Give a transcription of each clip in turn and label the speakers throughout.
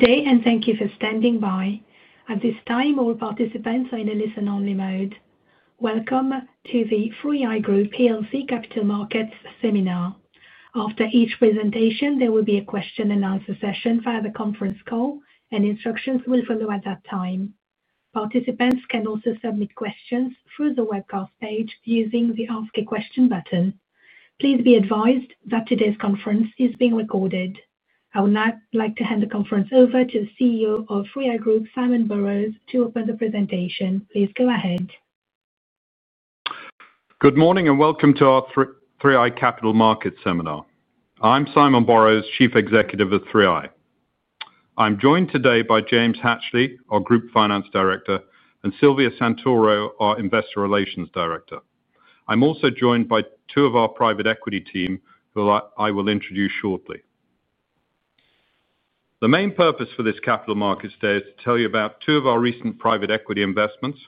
Speaker 1: Today, and thank you for standing by. At this time, all participants are in a listen-only mode. Welcome to the 3i Group plc Capital Markets Seminar. After each presentation, there will be a question-and-answer session via the conference call, and instructions will follow at that time. Participants can also submit questions through the webcast page using the Ask a Question button. Please be advised that today's conference is being recorded. I would now like to hand the conference over to the CEO of 3i Group, Simon Borrows, to open the presentation. Please go ahead.
Speaker 2: Good morning and welcome to our 3i Capital Markets Seminar. I'm Simon Borrows, Chief Executive at 3i. I'm joined today by James Hatchley, our Group Finance Director, and Silvia Santoro, our Investor Relations Director. I'm also joined by two of our Private Equity teams, who I will introduce shortly. The main purpose for this capital markets today is to tell you about two of our recent private equity investments,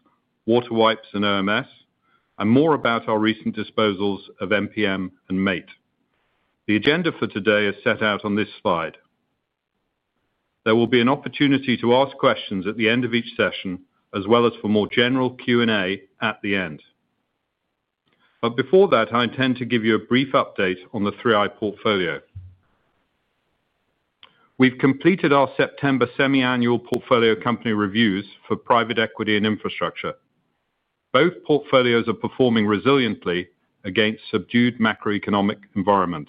Speaker 2: WaterWipes and OMS, and more about our recent disposals of MPM and MAIT. The agenda for today is set out on this slide. There will be an opportunity to ask questions at the end of each session, as well as for more general Q&A at the end. Before that, I intend to give you a brief update on the 3i portfolio. We've completed our September semi-annual portfolio company reviews for private equity and infrastructure. Both portfolios are performing resiliently against a subdued macroeconomic environment.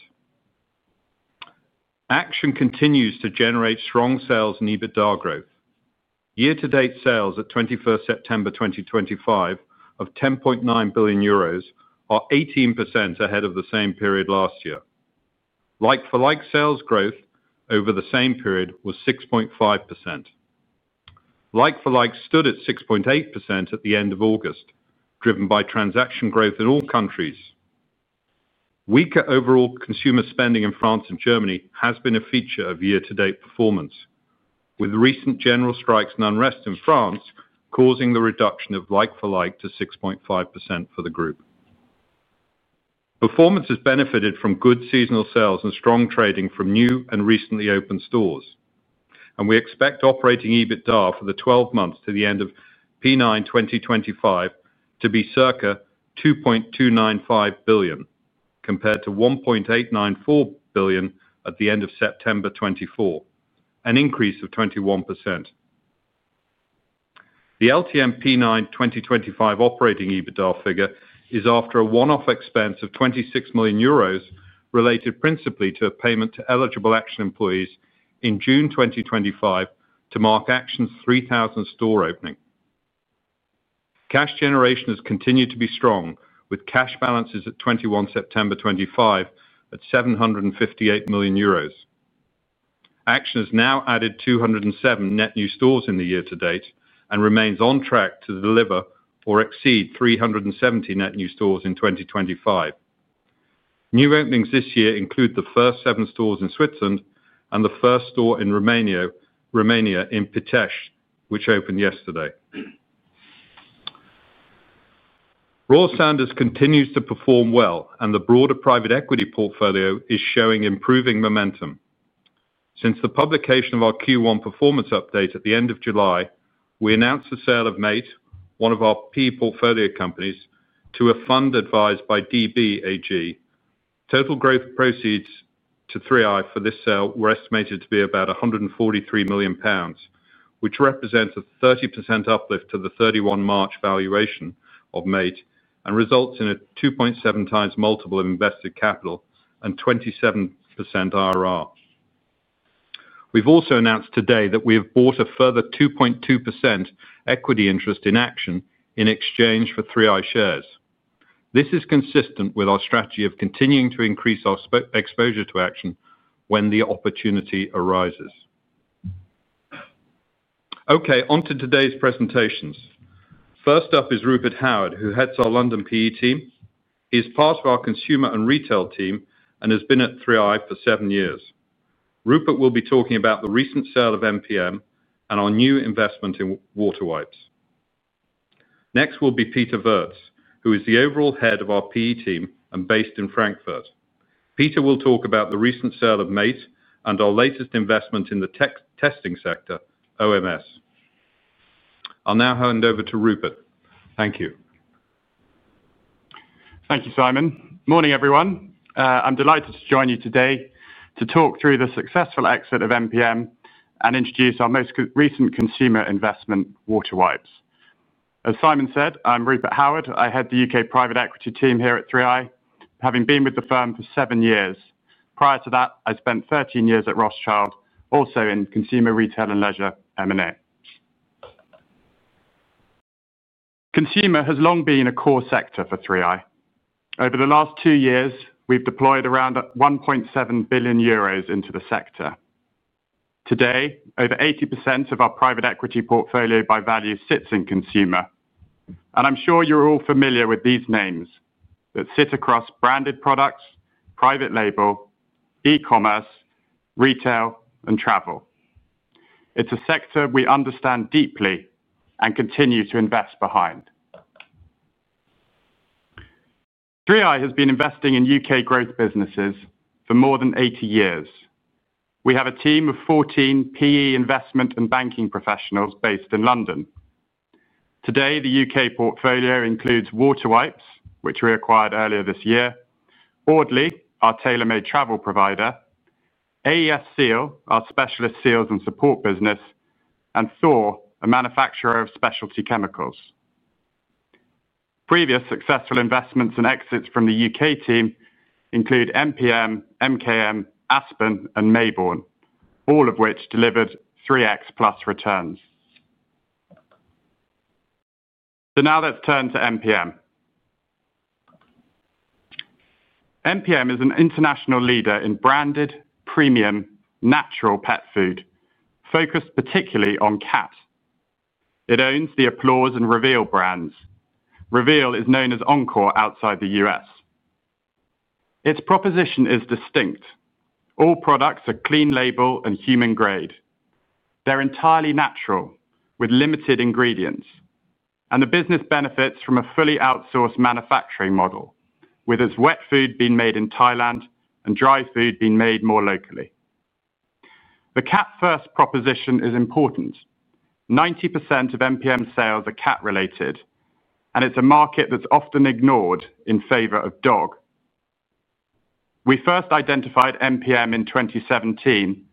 Speaker 2: Action continues to generate strong sales and EBITDA growth. Year-to-date sales at 21st, September 2025 of €10.9 billion are 18% ahead of the same period last year. Like-for-like sales growth over the same period was 6.5%. Like-for-like stood at 6.8% at the end of August, driven by transaction growth in all countries. Weaker overall consumer spending in France and Germany has been a feature of year-to-date performance, with recent general strikes and unrest in France causing the reduction of like-for-like to 6.5% for the group. Performance has benefited from good seasonal sales and strong trading from new and recently opened stores. We expect operating EBITDA for the 12 months to the end of P9 2025, to be circa €2.295 billion compared to €1.894 billion at the end of September 2024, an increase of 21%. The LTM P9 2025 operating EBITDA figure is after a one-off expense of €26 million, related principally to a payment to eligible Actual employees in June 2025 to mark Action's 3,000 store opening. Cash generation has continued to be strong, with cash balances at 21, September 2025 at €758 million. Action has now added 207 net new stores in the year to date, and remains on track to deliver or exceed 370 net new stores in 2025. New openings this year include the first seven stores in Switzerland and the first store in Romania in Pitești, which opened yesterday. Royal Sanders continues to perform well, and the broader Private Equity portfolio is showing improving momentum. Since the publication of our Q1 performance update at the end of July, we announced the sale of MAIT, one of our PE portfolio companies, to a fund advised by DBAG. Total gross proceeds to 3i for this sale were estimated to be about €143 million, which represents a 30% uplift to the 31 March valuation of MAIT, and results in a 2.7x multiple of invested capital and 27% IRR. We've also announced today that we have bought a further 2.2% equity interest in Action in exchange for 3i shares. This is consistent with our strategy of continuing to increase our exposure to Action when the opportunity arises. Okay, on to today's presentations. First up is Rupert Howard, who heads our London PE team. He is part of our consumer and retail team, and has been at 3i for seven years. Rupert will be talking about the recent sale of MPM, and our new investment in WaterWipes. Next will be Peter Wirtz, who is the overall Head of our PE team and based in Frankfurt. Peter will talk about the recent sale of MAIT and our latest investment in the testing sector, OMS. I'll now hand over to Rupert. Thank you.
Speaker 3: Thank you, Simon. Morning, everyone. I'm delighted to join you today, to talk through the successful exit of MPM and introduce our most recent consumer investment, WaterWipes. As Simon said, I'm Rupert Howard. I head the UK Private Equity team here at 3i, having been with the firm for seven years. Prior to that, I spent 13 years at Rothschild, also in consumer, retail, and leisure, M&A. Consumer has long been a core sector for 3i. Over the last two years, we've deployed around €1.7 billion into the sector. Today, over 80% of our private equity portfolio by value sits in consumer, and I'm sure you're all familiar with these names that sit across branded products, private label, e-commerce, retail, and travel. It's a sector we understand deeply and continue to invest behind. 3i has been investing in U.K. growth businesses for more than 80 years. We have a team of 14 PE investment and banking professionals based in London. Today, the UK portfolio includes WaterWipes, which we acquired earlier this year, Audley, our tailor-made travel provider, AESSEAl, our specialist seals and support business, and Thor, a manufacturer of specialty chemicals. Previous successful investments and exits from the U.K. team include MPM, MKM, Aspen, and Mayborn, all of which delivered 3x+ returns. Now let's turn to MPM. MPM is an international leader in branded, premium, natural pet food, focused particularly on cats. It owns the Applaws and Reveal brands. Reveal is known as Encore outside the U.S. Its proposition is distinct. All products are clean-label and human-grade. They're entirely natural, with limited ingredients, and the business benefits from a fully outsourced manufacturing model, with its wet food being made in Thailand and dry food being made more locally. The cat-first proposition is important. 90% of MPM sales are cat-related, and it's a market that's often ignored in favor of dog. We first identified MPM in 2017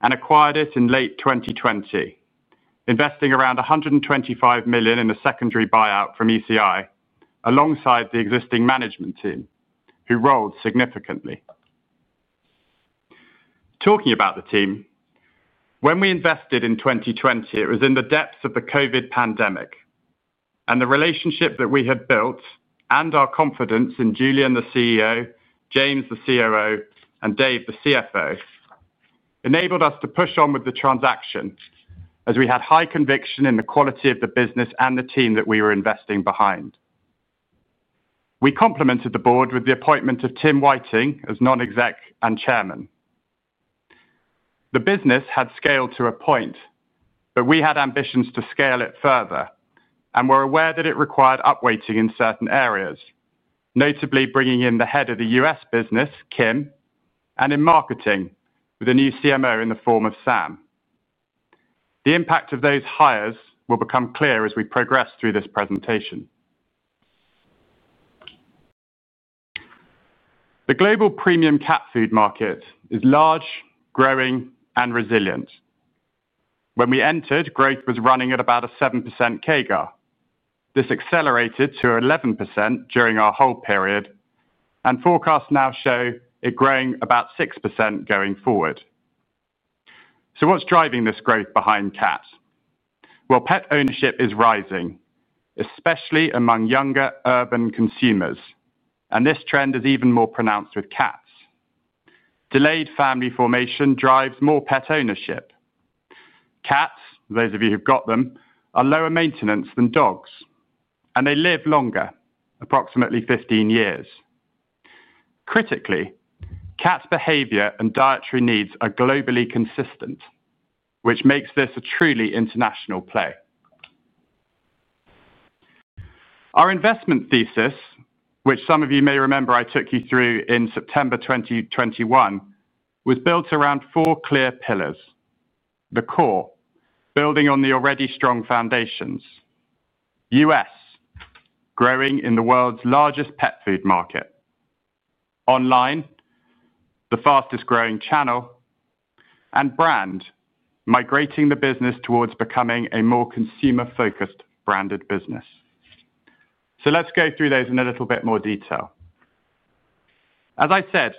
Speaker 3: and acquired it in late 2020, investing around €125 million in a secondary buyout from ECI, alongside the existing management team, who rolled significantly. Talking about the team, when we invested in 2020, it was in the depths of the COVID pandemic, and the relationship that we had built and our confidence in Julian, the CEO, James, the COO, and Dave, the CFO, enabled us to push on with the transaction, as we had high conviction in the quality of the business and the team that we were investing behind. We complemented the board with the appointment of Tim Whiting as Non-Executive and Chairman. The business had scaled to a point, but we had ambitions to scale it further and were aware that it required upweighting in certain areas, notably bringing in the Head of the U.S. Business, Kim, and in marketing with a new CMO in the form of Sam. The impact of those hires will become clear as we progress through this presentation. The global premium cat food market is large, growing, and resilient. When we entered, growth was running at about a 7% CAGR. This accelerated to 11% during our whole period, and forecasts now show it growing about 6% going forward. What's driving this growth behind cats? Pet ownership is rising, especially among younger urban consumers, and this trend is even more pronounced with cats. Delayed family formation drives more pet ownership. Cats, those of you who've got them, are lower maintenance than dogs, and they live longer, approximately 15 years. Critically, cats' behavior and dietary needs are globally consistent, which makes this a truly international play. Our investment thesis, which some of you may remember I took you through in September 2021, was built around four clear pillars, the core, building on the already strong foundations, U.S., growing in the world's largest pet food market, online, the fastest growing channel, and brand, migrating the business towards becoming a more consumer-focused branded business. Let's go through those in a little bit more detail. As I said,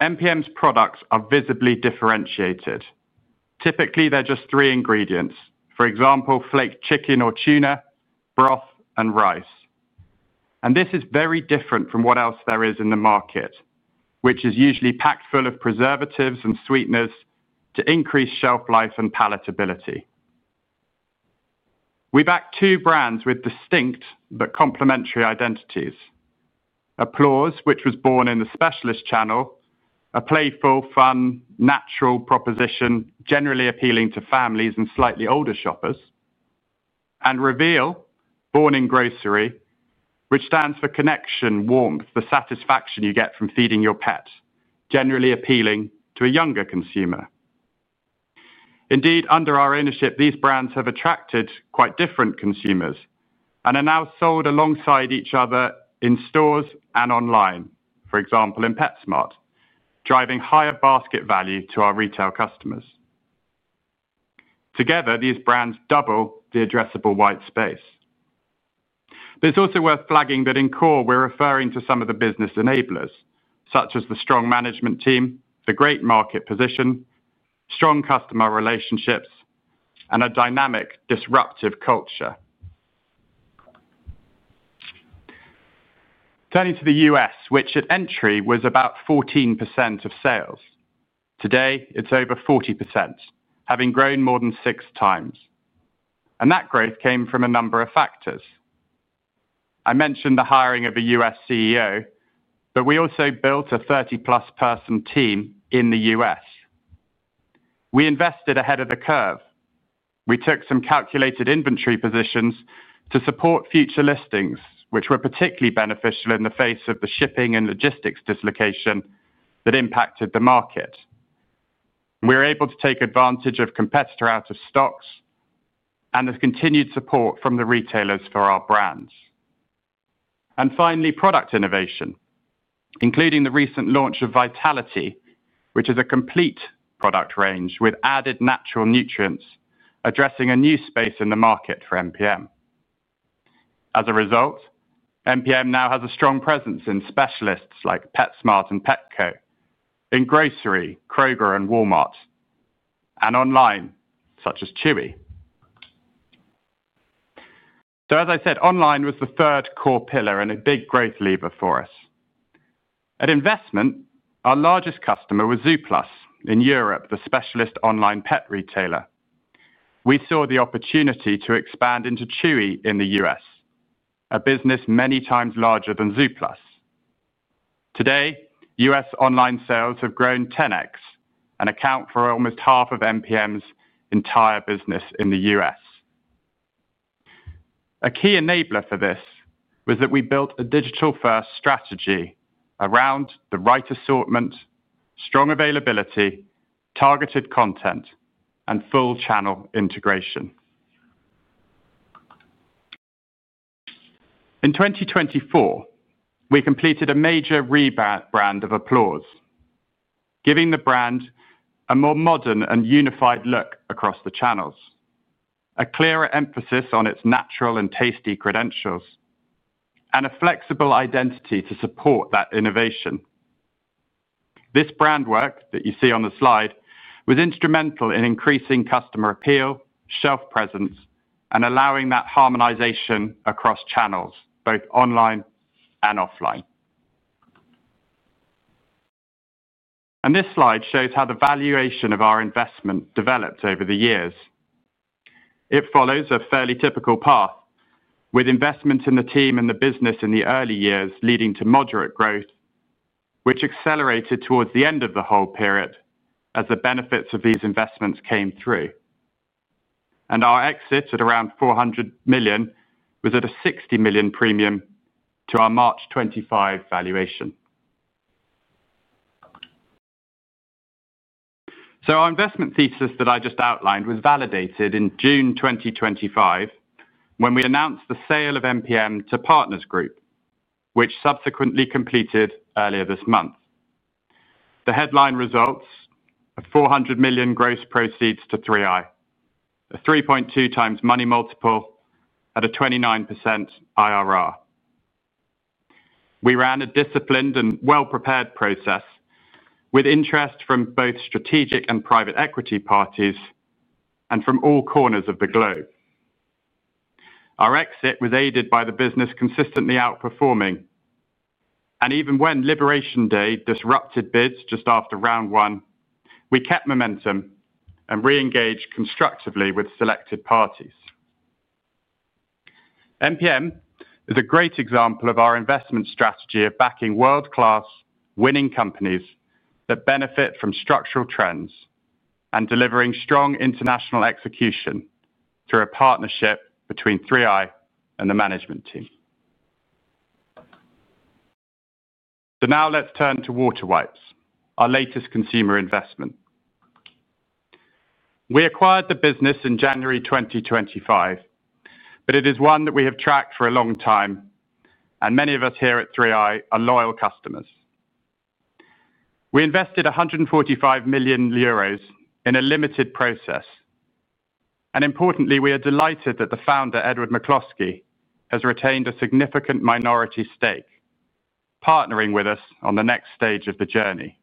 Speaker 3: MPM's products are visibly differentiated. Typically, they're just three ingredients. For example, flaked chicken or tuna, broth, and rice. This is very different from what else there is in the market, which is usually packed full of preservatives and sweeteners to increase shelf life and palatability. We back two brands with distinct, but complementary identities, Applaws, which was born in the specialist channel, a playful, fun, natural proposition, generally appealing to families and slightly older shoppers, and Reveal, born in grocery, which stands for connection, warmth, the satisfaction you get from feeding your pets, generally appealing to a younger consumer. Indeed, under our ownership, these brands have attracted quite different consumers and are now sold alongside each other in stores and online, for example, in PetSmart, driving higher basket value to our retail customers. Together, these brands double the addressable white space. It's also worth flagging that in core, we're referring to some of the business enablers, such as the strong management team, the great market position, strong customer relationships, and a dynamic, disruptive culture. Turning to the U.S., which at entry was about 14% of sales, today it's over 40%, having grown more than 6x. That growth came from a number of factors. I mentioned the hiring of a U.S. CEO, but we also built a 30+ person team in the U.S. We invested ahead of the curve. We took some calculated inventory positions to support future listings, which were particularly beneficial in the face of the shipping and logistics dislocation that impacted the market. We were able to take advantage of competitor out-of-stocks, and the continued support from the retailers for our brands. Finally, product innovation, including the recent launch of Vitality, which is a complete product range with added natural nutrients, addressing a new space in the market for MPM. As a result, MPM now has a strong presence in specialists like PetSmart and Petco, in grocery, Kroger and Walmart, and online, such as Chewy. Online was the third core pillar and a big growth lever for us. At investment, our largest customer was Zooplus in Europe, the specialist online pet retailer. We saw the opportunity to expand into Chewy in the U.S., a business many times larger than Zooplus. Today, U.S. online sales have grown 10x, and account for almost half of MPM's entire business in the U.S. A key enabler for this was that we built a digital-first strategy around the right assortment, strong availability, targeted content, and full channel integration. In 2024, we completed a major rebrand of Applaws, giving the brand a more modern and unified look across the channels, a clearer emphasis on its natural and tasty credentials, and a flexible identity to support that innovation. This brand work that you see on the slide was instrumental in increasing customer appeal, shelf presence, and allowing that harmonization across channels, both online and offline. This slide shows how the valuation of our investment developed over the years. It follows a fairly typical path, with investments in the team and the business in the early years, leading to moderate growth, which accelerated towards the end of the whole period as the benefits of these investments came through. Our exit at around €400 million was at a €60 million premium to our March 2025 valuation. Our investment thesis that I just outlined was validated in June 2025, when we announced the sale of MPM to Partners Group, which subsequently completed earlier this month. The headline results are €400 million gross proceeds to 3i, a 3.2x money multiple at a 29% IRR. We ran a disciplined and well-prepared process, with interest from both strategic and private equity parties and from all corners of the globe. Our exit was aided by the business consistently outperforming. Even when Liberation Day disrupted bids just after round one, we kept momentum and re-engaged constructively with selected parties. MPM is a great example of our investment strategy of backing world-class, winning companies that benefit from structural trends and delivering strong international execution through a partnership between 3i and the management team. Now let's turn to WaterWipes, our latest consumer investment. We acquired the business in January 2025, but it is one that we have tracked for a long time and many of us here at 3i are loyal customers. We invested €145 million in a limited process, and importantly, we are delighted that the founder, Edward McCloskey, has retained a significant minority stake, partnering with us on the next stage of the journey.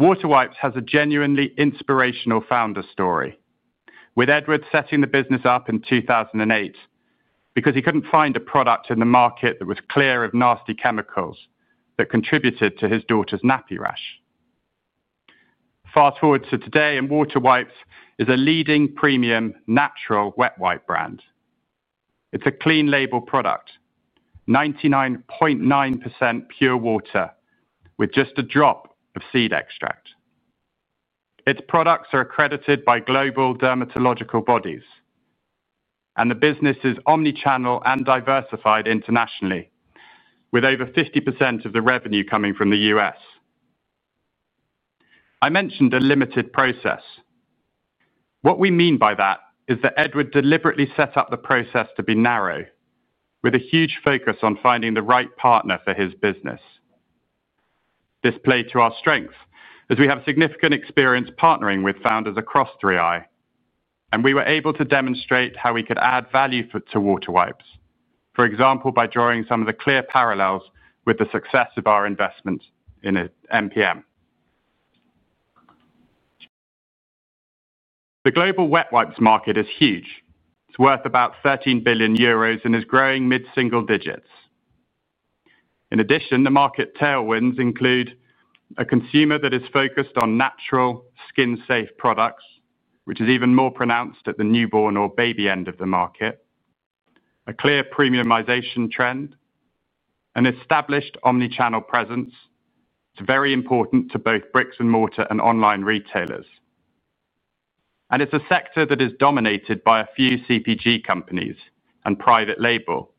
Speaker 3: WaterWipes has a genuinely inspirational founder story, with Edward setting the business up in 2008 because he couldn't find a product in the market that was clear of nasty chemicals that contributed to his daughter's nappy rash. Fast forward to today, and WaterWipes is a leading premium natural wet wipe brand. It's a clean-label product, 99.9% pure water, with just a drop of seed extract. Its products are accredited by global dermatological bodies, and the business is omnichannel and diversified internationally, with over 50% of the revenue coming from the U.S. I mentioned a limited process. What we mean by that is that Edward deliberately set up the process to be narrow, with a huge focus on finding the right partner for his business. This played to our strength, as we have significant experience partnering with founders across 3i. We were able to demonstrate how we could add value to WaterWipes, for example, by drawing some of the clear parallels with the success of our investments in MPM. The global wet wipes market is huge. It's worth about €13 billion, and is growing mid-single digits. In addition, the market tailwinds include a consumer that is focused on natural skin-safe products, which is even more pronounced at the newborn or baby end of the market, a clear premiumization trend, and an established omnichannel presence. It's very important to both bricks-and-mortar and online retailers. It's a sector that is dominated by a few CPG companies and private label,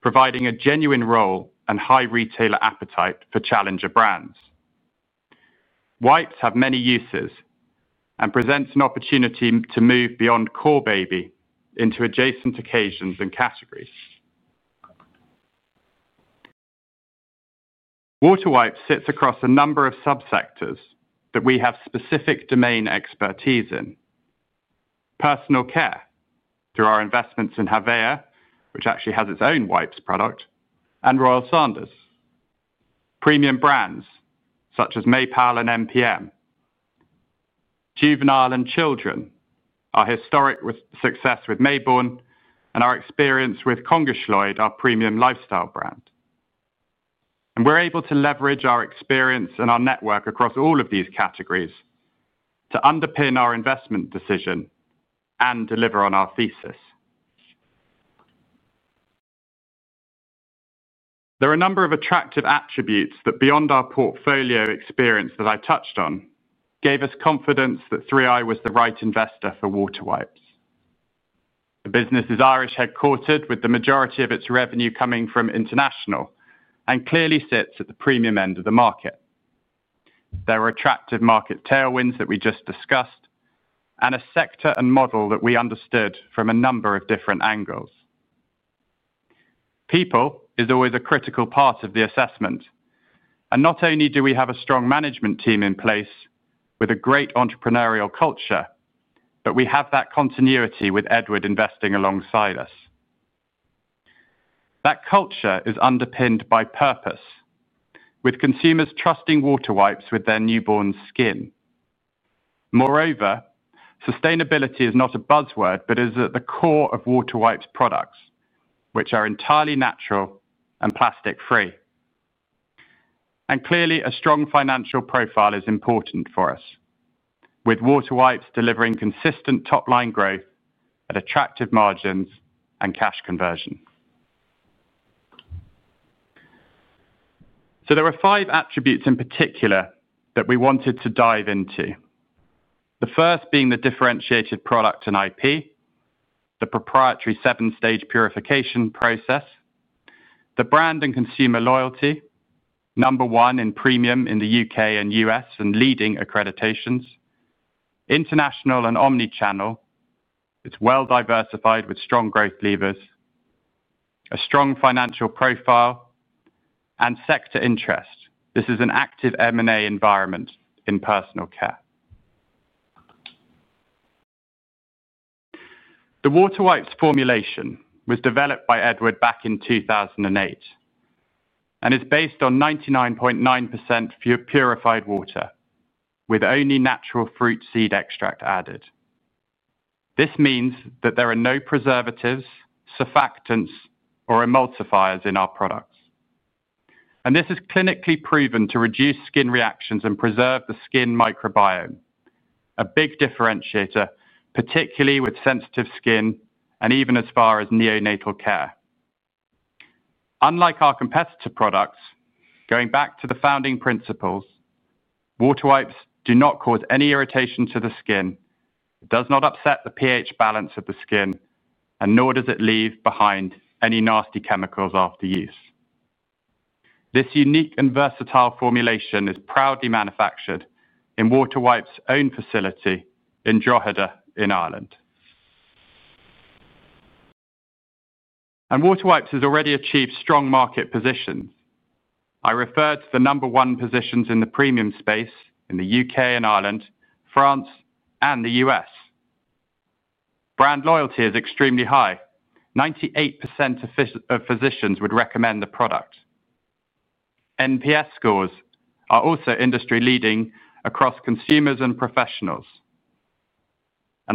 Speaker 3: providing a genuine role and high retailer appetite for challenger brands. Wipes have many uses, and present an opportunity to move beyond core baby, into adjacent occasions and categories. WaterWipes sits across a number of subsectors that we have specific domain expertise in, personal care, through our investments in Havea, which actually has its own wipes product, and Royal Sanders, premium brands such as Mepal and MPM, juvenile and children, our historic success with Mayborn, and our experience with Konges Sløjd, our premium lifestyle brand. We're able to leverage our experience and our network across all of these categories to underpin our investment decision and deliver on our thesis. There are a number of attractive attributes, that beyond our portfolio experience that I touched on, gave us confidence that 3i was the right investor for WaterWipes. The business is Irish headquartered, with the majority of its revenue coming from international and clearly sits at the premium end of the market. There are attractive market tailwinds that we just discussed, and a sector and model that we understood from a number of different angles. People is always a critical part of the assessment. Not only do we have a strong management team in place with a great entrepreneurial culture, but we have that continuity with Edward investing alongside us. That culture is underpinned by purpose, with consumers trusting WaterWipes with their newborn skin. Moreover, sustainability is not a buzzword, but is at the core of WaterWipes products, which are entirely natural and plastic-free. Clearly, a strong financial profile is important for us, with WaterWipes delivering consistent top-line growth at attractive margins and cash conversion. There were five attributes in particular that we wanted to dive into, the first being the differentiated product and IP, the proprietary seven-stage purification process, the brand and consumer loyalty, number one in premium in the U.K. and U.S., and leading accreditations, international and omnichannel. It's well diversified with strong growth levers, a strong financial profile, and sector interest. This is an active M&A environment in personal care. The WaterWipes formulation was developed by Edward back in 2008, and is based on 99.9% purified water, with only natural fruit seed extract added. This means that there are no preservatives, surfactants, or emulsifiers in our products. This is clinically proven to reduce skin reactions and preserve the skin microbiome, a big differentiator, particularly with sensitive skin and even as far as neonatal care. Unlike our competitor products, going back to the founding principles, WaterWipes do not cause any irritation to the skin, do not upset the pH balance of the skin and nor does it leave behind any nasty chemicals after use. This unique and versatile formulation is proudly manufactured in WaterWipes' own facility in Drogheda in Ireland. WaterWipes has already achieved a strong market position. I referred to the number one positions in the premium space in the U.K. and Ireland, France, and the U.S. Brand loyalty is extremely high. 98% of physicians would recommend the product. MPS scores are also industry-leading across consumers and professionals.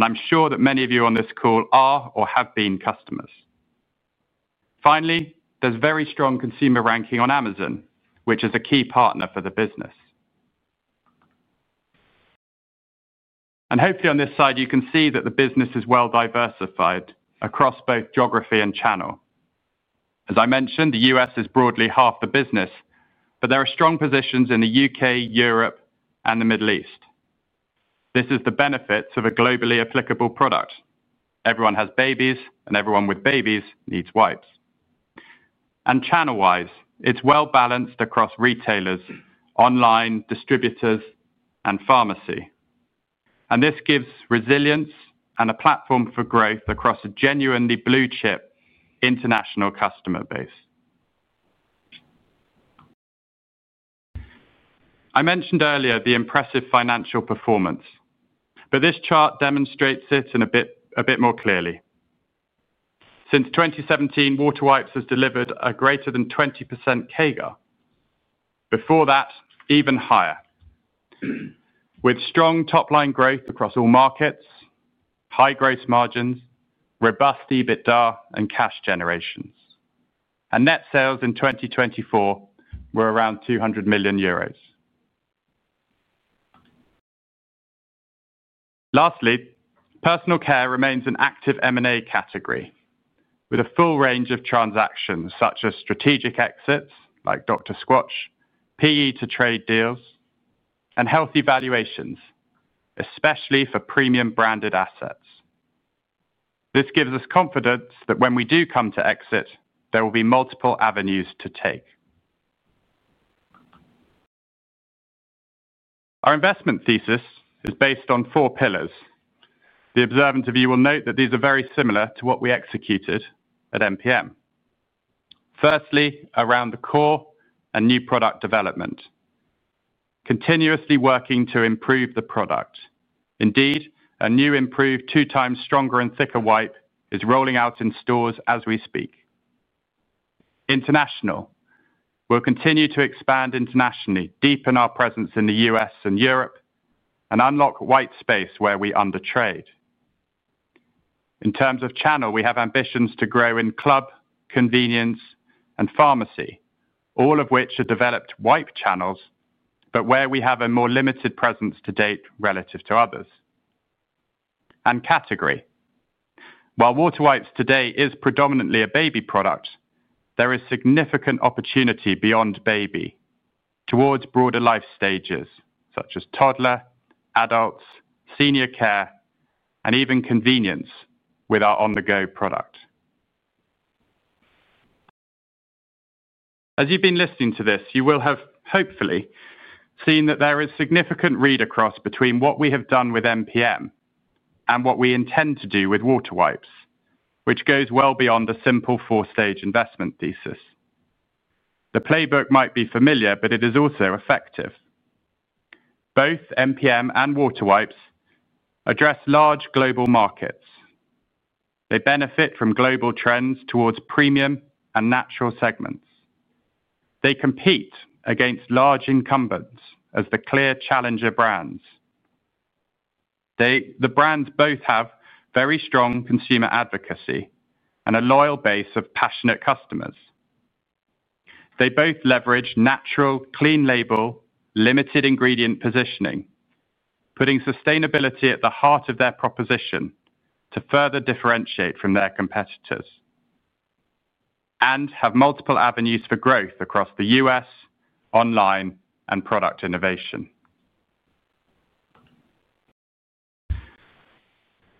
Speaker 3: I'm sure that many of you on this call are or have been customers. Finally, there is very strong consumer ranking on Amazon, which is a key partner for the business. Hopefully, on this side, you can see that the business is well diversified across both geography and channel. As I mentioned, the U.S. is broadly half the business, but there are strong positions in the U.K., Europe, and the Middle East. This is the benefit of a globally applicable product. Everyone has babies, and everyone with babies needs wipes. Channel-wise, it's well balanced across retailers, online, distributors, and pharmacy. This gives resilience and a platform for growth across a genuinely blue-chip international customer base. I mentioned earlier the impressive financial performance, but this chart demonstrates it a bit more clearly. Since 2017, WaterWipes has delivered a greater than 20% CAGR. Before that, even higher, with strong top-line growth across all markets, high gross margins, robust EBITDA, and cash generations. Net sales in 2024 were around €200 million. Lastly, personal care remains an active M&A category, with a full range of transactions such as strategic exits like Dr. Squatch, PE to trade deals, and healthy valuations, especially for premium branded assets. This gives us confidence that when we do come to exit, there will be multiple avenues to take. Our investment thesis is based on four pillars. The observant of you will note that these are very similar to what we executed at MPM. Firstly, around the core and new product development, continuously working to improve the product. Indeed, a new, improved, two times stronger and thicker wipe is rolling out in stores as we speak. International, we'll continue to expand internationally, deepen our presence in the U.S. and Europe, and unlock wipe space where we undertrade. In terms of channel, we have ambitions to grow in club, convenience, and pharmacy, all of which are developed wipe channels, but where we have a more limited presence to date relative to others. Category, while WaterWipes today is predominantly a baby product, there is significant opportunity beyond baby towards broader life stages such as toddler, adults, senior care, and even convenience with our on-the-go product. As you've been listening to this, you will have hopefully seen that there is significant read across between what we have done with MPM and what we intend to do with WaterWipes, which goes well beyond the simple four-stage investment thesis. The playbook might be familiar, but it is also effective. Both MPM and WaterWipes address large global markets. They benefit from global trends towards premium and natural segments. They compete against large incumbents as the clear challenger brands. The brands both have very strong consumer advocacy, and a loyal base of passionate customers. They both leverage natural, clean-label, limited-ingredient positioning, putting sustainability at the heart of their proposition, to further differentiate from their competitors and have multiple avenues for growth across the U.S., online, and product innovation.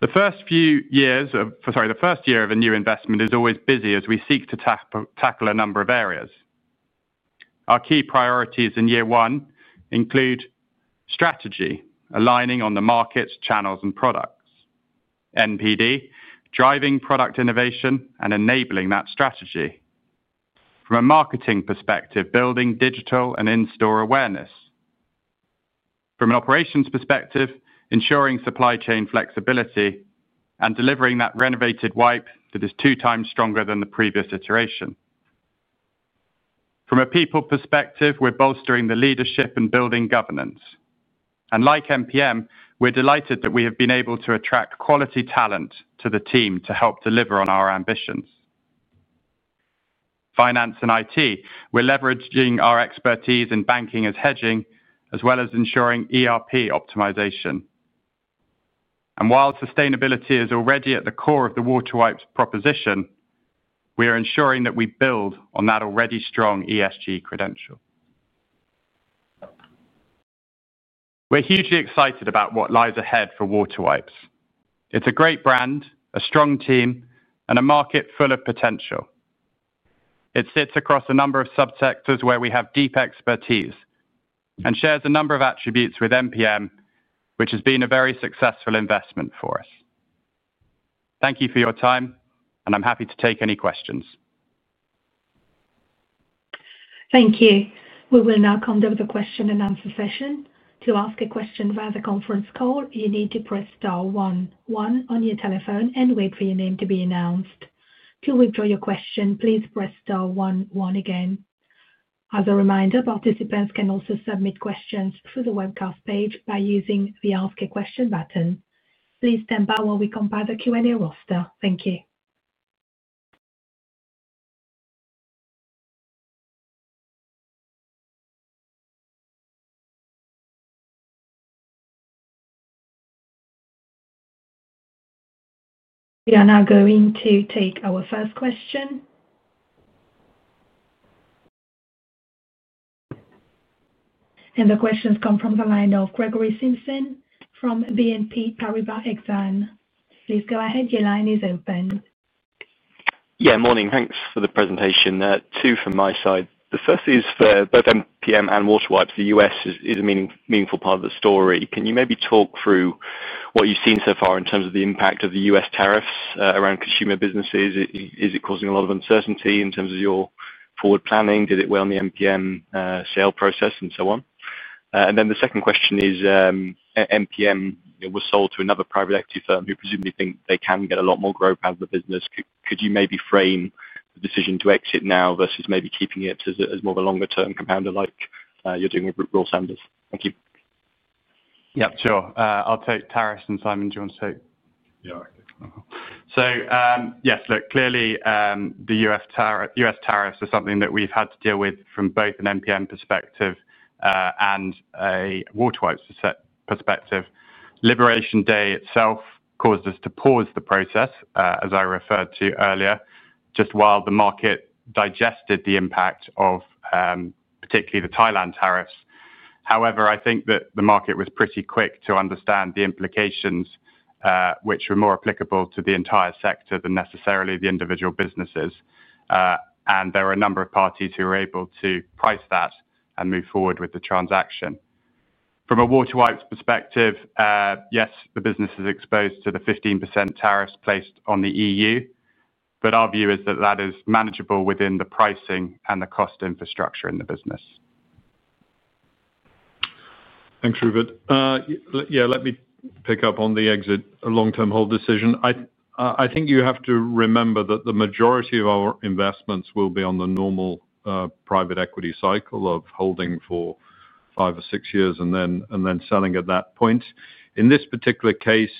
Speaker 3: The first year of a new investment is always busy, as we seek to tackle a number of areas. Our key priorities in year one include strategy, aligning on the markets, channels, and products, NPD, driving product innovation and enabling that strategy, from a marketing perspective, building digital and in-store awareness, from an operations perspective, ensuring supply chain flexibility and delivering that renovated wipe that is two times stronger than the previous iteration. From a people perspective, we're bolstering the leadership and building governance. Like MPM, we're delighted that we have been able to attract quality talent to the team to help deliver on our ambitions. In finance and IT, we're leveraging our expertise in banking as hedging, as well as ensuring ERP optimization. While sustainability is already at the core of the WaterWipes proposition, we are ensuring that we build on that already strong ESG credential. We're hugely excited about what lies ahead for WaterWipes. It's a great brand, a strong team, and a market full of potential. It sits across a number of subsectors where we have deep expertise and shares a number of attributes with MPM, which has been a very successful investment for us. Thank you for your time, and I'm happy to take any questions.
Speaker 1: Thank you. We will now come to the question-and-answer session. To ask a question via the conference call, you need to press star one, one on your telephone and wait for your name to be announced. To withdraw your question, please press star one, one again. As a reminder, participants can also submit questions through the webcast page by using the Ask a Question button. Please stand by while we compile the Q&A roster. Thank you. We are now going to take our first question. The questions come from the line of Gregory Simpson from BNP Paribas Exane. Please go ahead, your line is open.
Speaker 4: Yeah, morning. Thanks for the presentation. There are two from my side. The first is for both MPM and WaterWipes. The U.S. is a meaningful part of the story. Can you maybe talk through what you've seen so far in terms of the impact of the U.S. tariffs around consumer businesses? Is it causing a lot of uncertainty in terms of your forward planning? Did it weigh on the MPM sale process and so on? The second question is, MPM was sold to another private equity firm who presumably think they can get a lot more growth out of the business. Could you maybe frame the decision to exit now, versus maybe keeping it as more of a longer-term compounder like you're doing with Royal Sanders? Thank you.
Speaker 3: Yeah, sure. I'll take tariffs and Simon, do you want to take?
Speaker 2: Yeah.
Speaker 3: Yes. Look, clearly the U.S. tariffs are something that we've had to deal with from both an MPM perspective and a WaterWipes perspective. Liberation Day itself caused us to pause the process, as I referred to earlier, just while the market digested the impact of particularly the Thailand tariffs. However, I think that the market was pretty quick to understand the implications, which were more applicable to the entire sector than necessarily the individual businesses. There are a number of parties who were able to price that and move forward with the transaction. From a WaterWipes perspective, yes, the business is exposed to the 15% tariffs placed on the EU, but our view is that that is manageable within the pricing and the cost infrastructure in the business.
Speaker 2: Thanks, Rupert. Let me pick up on the exit long-term hold decision. I think you have to remember that the majority of our investments will be on the normal private equity cycle of holding for five or six years, and then selling at that point. In this particular case,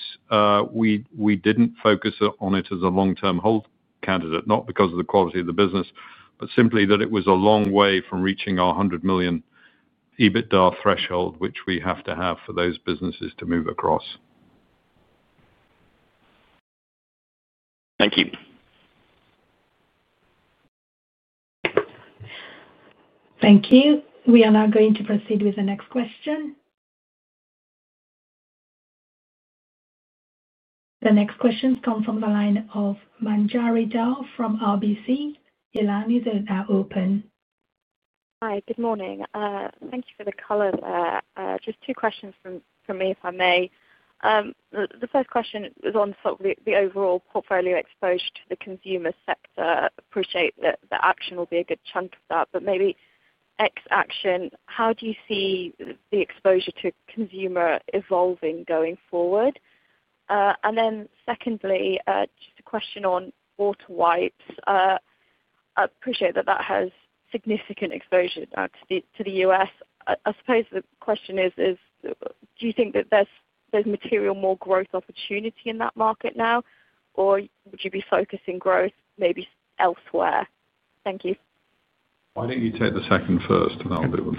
Speaker 2: we didn't focus on it as a long-term hold candidate, not because of the quality of the business, but simply that it was a long way from reaching our $100 million EBITDA threshold, which we have to have for those businesses to move across.
Speaker 4: Thank you.
Speaker 1: Thank you. We are now going to proceed with the next question. The next questions come from the line of Manjari Dhar from RBC. Your line is now open.
Speaker 5: Hi, good morning. Thank you for the color. Just two questions from me, if I may. The first question is on the overall portfolio exposure to the consumer sector. I appreciate that Action will be a good chunk of that, but maybe ex-Action, how do you see the exposure to consumer evolving going forward? Secondly, just a question on WaterWipes, I appreciate that that has significant exposure to the U.S. I suppose the question is, do you think that there's material more growth opportunity in that market now, or would you be focusing growth maybe elsewhere? Thank you.
Speaker 2: I think you take the second first, and I'll do.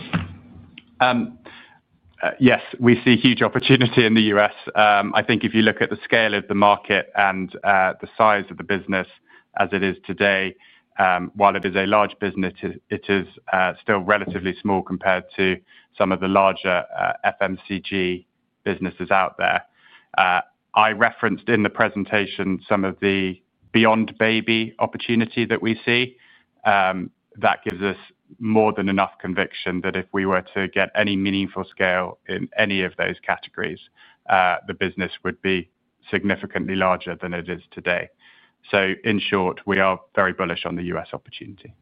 Speaker 3: Yes, we see huge opportunity in the U.S. I think if you look at the scale of the market and the size of the business as it is today, while it is a large business, it is still relatively small compared to some of the larger FMCG businesses out there. I referenced in the presentation, some of the beyond baby opportunity that we see. That gives us more than enough conviction that if we were to get any meaningful scale in any of those categories, the business would be significantly larger than it is today. In short, we are very bullish on the U.S. opportunity.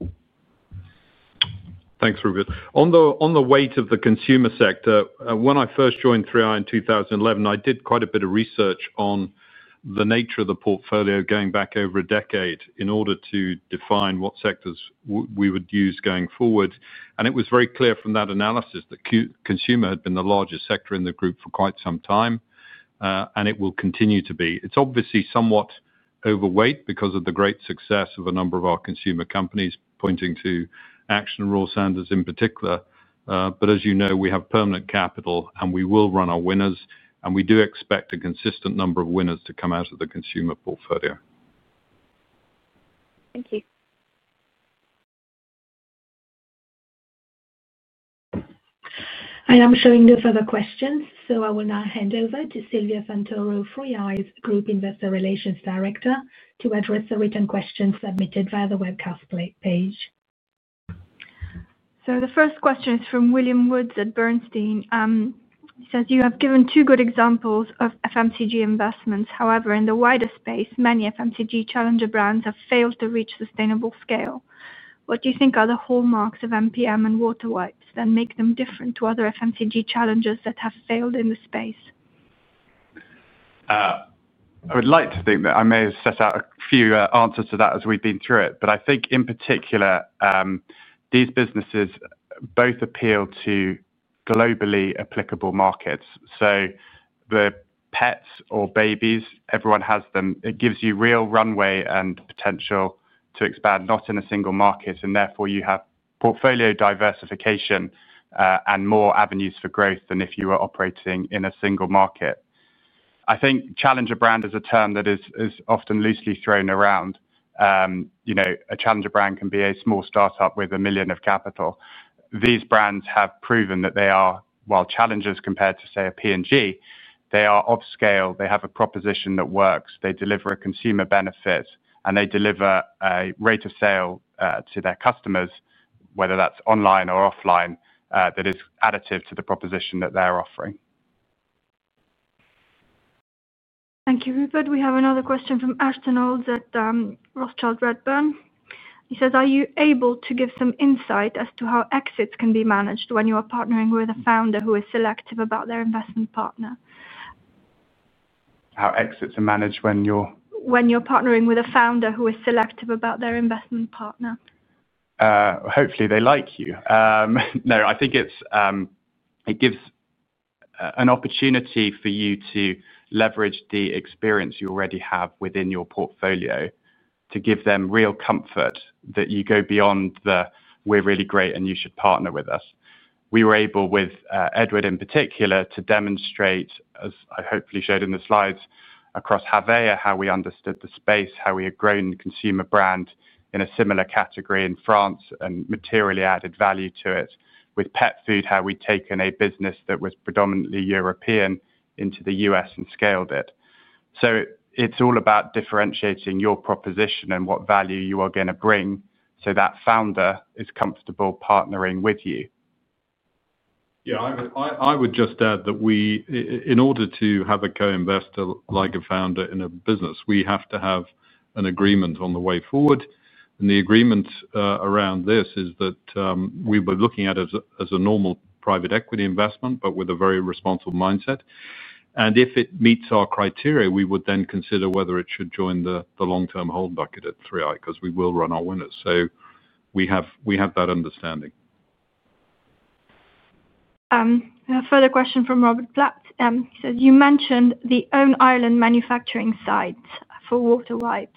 Speaker 2: Thanks, Rupert. On the weight of the consumer sector, when I first joined 3i in 2011, I did quite a bit of research on the nature of the portfolio going back over a decade, in order to define what sectors we would use going forward. It was very clear from that analysis, that consumer had been the largest sector in the group for quite some time and it will continue to be. It's obviously somewhat overweight because of the great success of a number of our consumer companies, pointing to Action and Royal Sanders in particular. As you know, we have permanent capital, and we will run our winners, and we do expect a consistent number of winners to come out of the consumer portfolio.
Speaker 5: Thank you.
Speaker 1: I am showing no further questions, so I will now hand over to Silvia Santoro, 3i Group plc's Investor Relations Director, to address the written questions submitted via the webcast page.
Speaker 6: The first question is from William Woods at Bernstein. He says, "You have given two good examples of FMCG investments. However, in the wider space, many FMCG challenger brands have failed to reach sustainable scale. What do you think are the hallmarks of MPM and WaterWipes that make them different to other FMCG challengers that have failed in the space?"
Speaker 3: I would like to think that I may have set out a few answers to that as we've been through it, but I think in particular, these businesses both appeal to globally applicable markets. The pets or babies, everyone has them. It gives you real runway and potential to expand, not in a single market. Therefore, you have portfolio diversification and more avenues for growth than if you were operating in a single market. I think challenger brand is a term that is often loosely thrown around. A challenger brand can be a small startup with $1 million of capital. These brands have proven that they are, while challengers compared to say a P&G, they are off scale, they have a proposition that works. They deliver a consumer benefit, and they deliver a rate of sale to their customers, whether that's online or offline, that is additive to the proposition that they're offering.
Speaker 6: Thank you, Rupert. We have another question from Ashton Olds at Rothschild Redburn. He says, "Are you able to give some insight as to how exits can be managed when you are partnering with a founder who is selective about their investment partner?
Speaker 3: How exits are managed when you're?
Speaker 6: When you're partnering with a founder who is selective about their investment partner.
Speaker 3: Hopefully, they like you. Now, I think it gives an opportunity for you to leverage the experience you already have within your portfolio, to give them real comfort that you go beyond the, "We're really great and you should partner with us." We were able, with Edward in particular, to demonstrate, as I hopefully showed in the slides, across Havea, how we understood the space, how we had grown the consumer brand in a similar category in France and materially added value to it. With pet food, how we'd taken a business that was predominantly European into the U.S. and scaled it. It's all about differentiating your proposition, and what value you are going to bring so that founder is comfortable partnering with you.
Speaker 2: Yeah, I would just add that in order to have a co-investor like a founder in a business, we have to have an agreement on the way forward. The agreement around this is that we were looking at it as a normal private equity investment, but with a very responsible mindset. If it meets our criteria, we would then consider whether it should join the long-term hold bucket at 3i because we will run our winners. We have that understanding.
Speaker 6: A further question from Robert Platt. He says, "You mentioned the owned island manufacturing sites for WaterWipes.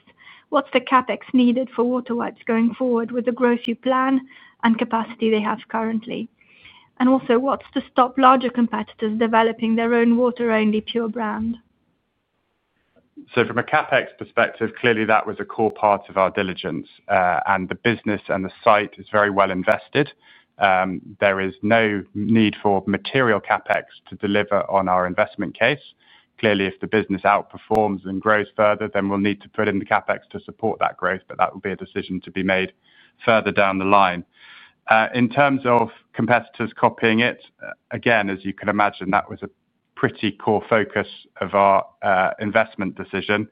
Speaker 6: What's the CapEx needed for WaterWipes going forward with the growth you plan and capacity they have currently? Also, what's to stop larger competitors developing their own water-only pure brand?
Speaker 3: From a CapEx perspective, clearly that was a core part of our diligence. The business and the site are very well invested. There is no need for material CapEx to deliver on our investment case. Clearly, if the business outperforms and grows further, then we'll need to put in the CapEx to support that growth, but that will be a decision to be made further down the line. In terms of competitors copying it, again, as you can imagine, that was a pretty core focus of our investment decision.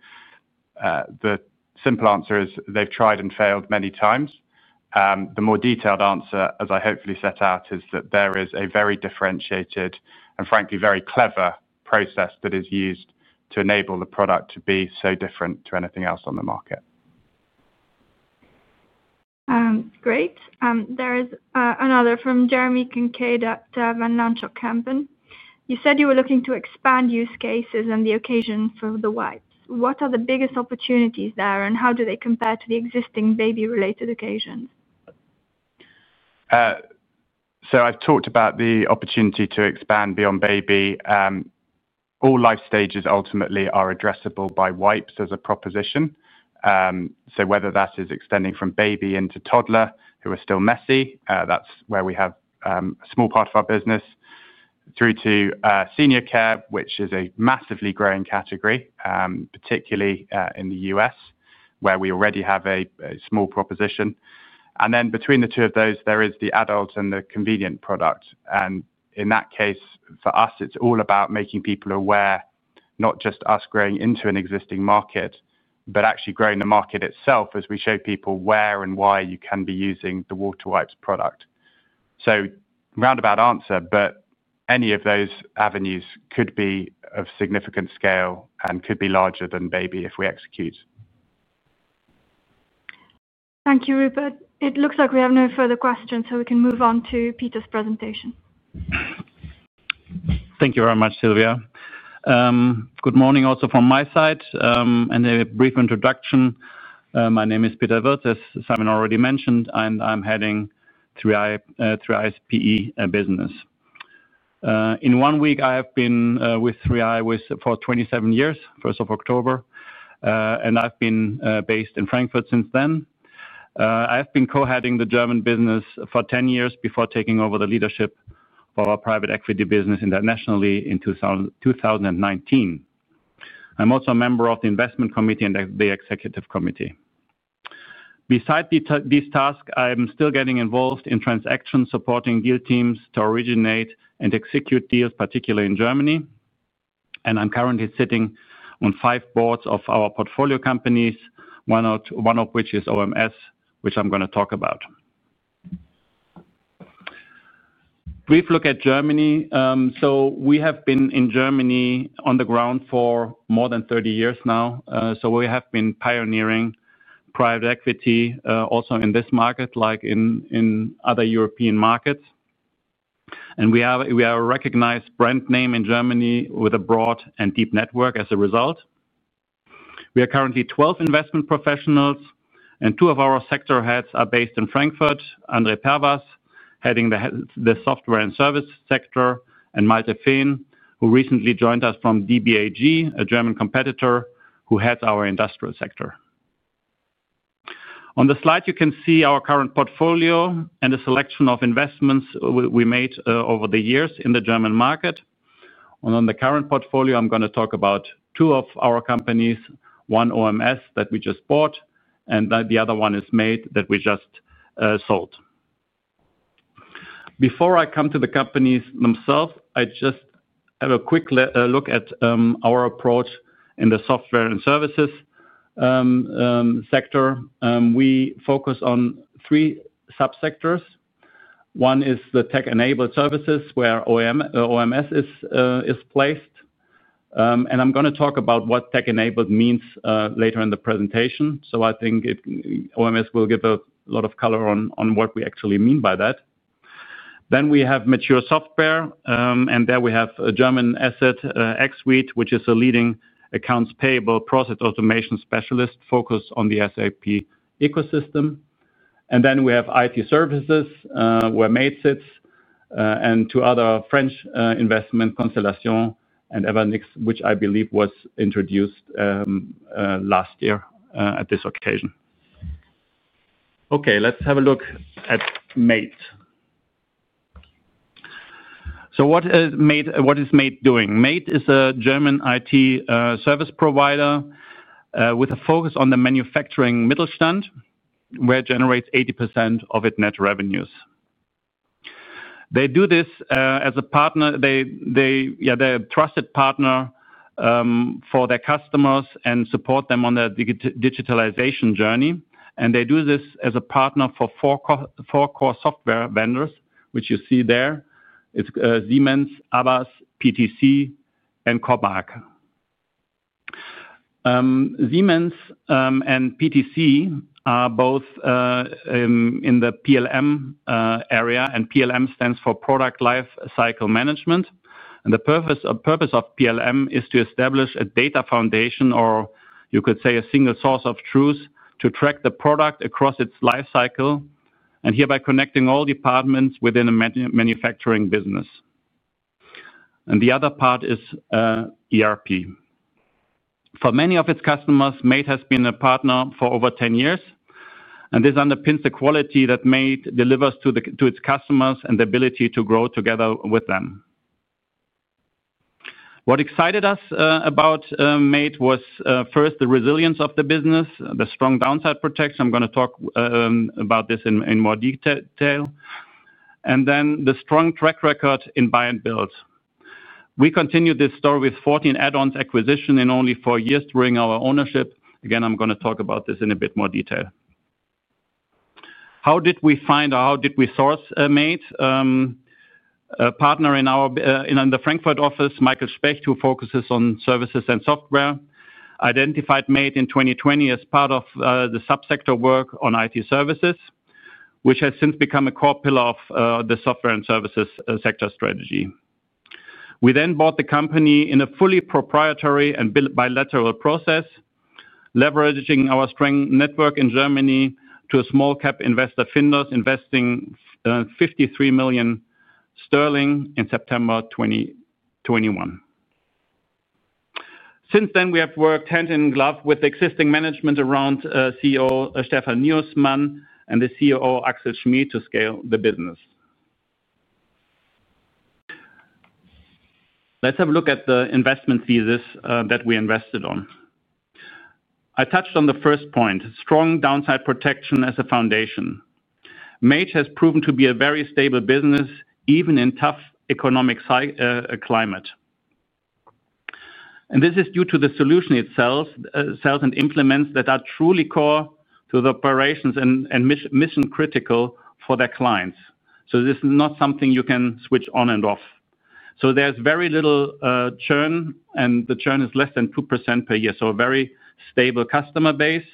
Speaker 3: The simple answer is they've tried and failed many times. The more detailed answer, as I hopefully set out, is that there is a very differentiated and frankly very clever process that is used to enable the product to be so different to anything else on the market.
Speaker 6: Great. There is another from Jeremy Kincaid at. You said you were looking to expand use cases and the occasion for the wipes. What are the biggest opportunities there, and how do they compare to the existing baby-related occasions?
Speaker 3: I've talked about the opportunity to expand beyond baby. All life stages ultimately are addressable by wipes as a proposition. Whether that is extending from baby into toddler, who are still messy, that's where we have a small part of our business, through to senior care, which is a massively growing category, particularly in the U.S., where we already have a small proposition. Between the two of those, there is the adults and the convenient products. In that case, for us, it's all about making people aware, not just us growing into an existing market, but actually growing the market itself as we show people where and why you can be using the WaterWipes product. Roundabout answer, but any of those avenues could be of significant scale and could be larger than baby if we execute.
Speaker 6: Thank you, Rupert. It looks like we have no further questions, so we can move on to Peter's presentation.
Speaker 7: Thank you very much, Silvia. Good morning also from my side. A brief introduction. My name is Peter Wirtz. As Simon already mentioned, I'm heading 3i's PE business. In one week, I have been with 3i for 27 years, 1st of October and I've been based in Frankfurt since then. I've been co-heading the German business for 10 years, before taking over the leadership of our Private Equity business internationally in 2019. I'm also a member of the Investment Committee and the Executive Committee. Besides these tasks, I'm still getting involved in transactions, supporting deal teams to originate and execute deals, particularly in Germany. I'm currently sitting on five boards of our portfolio companies, one of which is OMS, which I'm going to talk about. Brief look at Germany. We have been in Germany on the ground for more than 30 years now. We have been pioneering private equity also in this market, like in other European markets. We are a recognized brand name in Germany, with a broad and deep network as a result. We are currently 12 investment professionals, and two of our sector heads are based in Frankfurt, André Perwas, heading the software and service sector, and Malte Fehn, who recently joined us from DBAG, a German competitor who heads our industrial sector. On the slide, you can see our current portfolio and a selection of investments we made over the years in the German market. On the current portfolio, I'm going to talk about two of our companies, one OMS, that we just bought and the other one is MAIT, that we just sold. Before I come to the companies themselves, I'll just have a quick look at our approach in the software and services sector. We focus on three subsectors. One is the tech-enabled services, where OMS is placed. I'm going to talk about what tech-enabled means later in the presentation. I think OMS will give a lot of color on what we actually mean by that. Then we have mature software, and there we have a German asset, xSuite, which is a leading accounts payable process automation specialist focused on the SAP ecosystem. Then we have IT services, where MAIT sits and two other French investments, Constellation and Evonik, which I believe was introduced last year at this occasion. Let's have a look at MAIT. What is MAIT doing? MAIT is a German IT service provider, with a focus on the manufacturing Mittelstand, where it generates 80% of its net revenues. They do this as a partner. They are a trusted partner for their customers, and support them on their digitalization journey. They do this as a partner for four core software vendors, which you see there. It's Siemens, [ABAS], PTC, and [Korbach]. Siemens and PTC are both in the PLM area, and PLM stands for Product Life Cycle Management. The purpose of PLM is to establish a data foundation, or you could say a single source of truth, to track the product across its life cycle, hereby connecting all departments within a manufacturing business. The other part is ERP. For many of its customers, MAIT has been a partner for over 10 years. This underpins the quality that MAIT delivers to its customers, and the ability to grow together with them. What excited us about MAIT was first, the resilience of the business, the strong downside protection. I'm going to talk about this in more detail, and then the strong track record in buy and build. We continued this story with 14 add-on acquisitions in only four years during our ownership. I'm going to talk about this in a bit more detail. How did we find or how did we source MAIT? A partner in the Frankfurt office, Michael Specht, who focuses on services and software, identified MAIT in 2020 as part of the subsector work on IT services, which has since become a core pillar of the software and services sector strategy. We then bought the company in a fully proprietary and bilateral process, leveraging our strong network in Germany to a small-cap investor, Findus, investing £53 million in September 2021. Since then, we have worked hand in glove with the existing management around CEO, Stefan [Neumann] and the CEO, Axel Schmidt to scale the business. Let's have a look at the investment thesis that we invested on. I touched on the first point, strong downside protection as a foundation. MAIT has proven to be a very stable business, even in a tough economic climate. This is due to the solution itself, sales and implements that are truly core to the operations and mission-critical for their clients. This is not something you can switch on and off. There's very little churn, and the churn is less than 2% per year. A very stable customer base.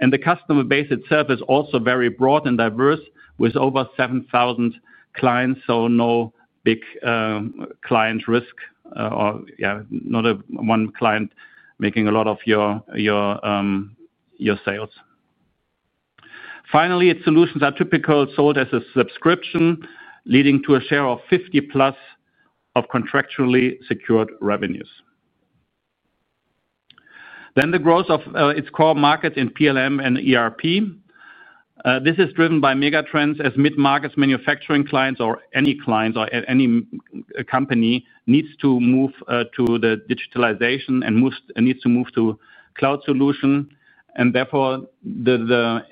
Speaker 7: The customer base itself is also very broad and diverse, with over 7,000 clients, so no big client risk or not one client making a lot of your sales. Finally, its solutions are typically sold as a subscription, leading to a share of 50+ of contractually secured revenues. The growth of its core market in PLM and ERP is driven by megatrends, as mid-market manufacturing clients or any clients or any company, needs to move to digitalization and needs to move to cloud solution. Therefore, the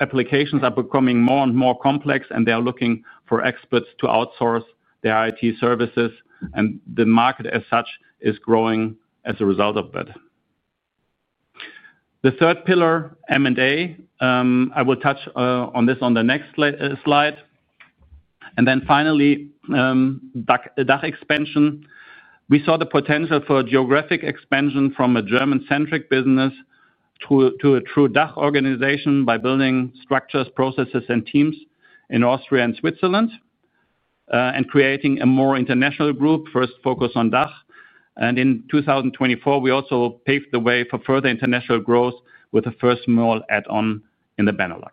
Speaker 7: applications are becoming more and more complex, and they're looking for experts to outsource their IT services. The market as such is growing as a result of that. The third pillar, M&A, I will touch on this on the next slide. Finally, DACH expansion. We saw the potential for a geographic expansion from a German-centric business to a true DACH organization, by building structures, processes, and teams in Austria and Switzerland, and creating a more international group, first focused on DACH. In 2024, we also paved the way for further international growth, with the first small add-on in the Benelux.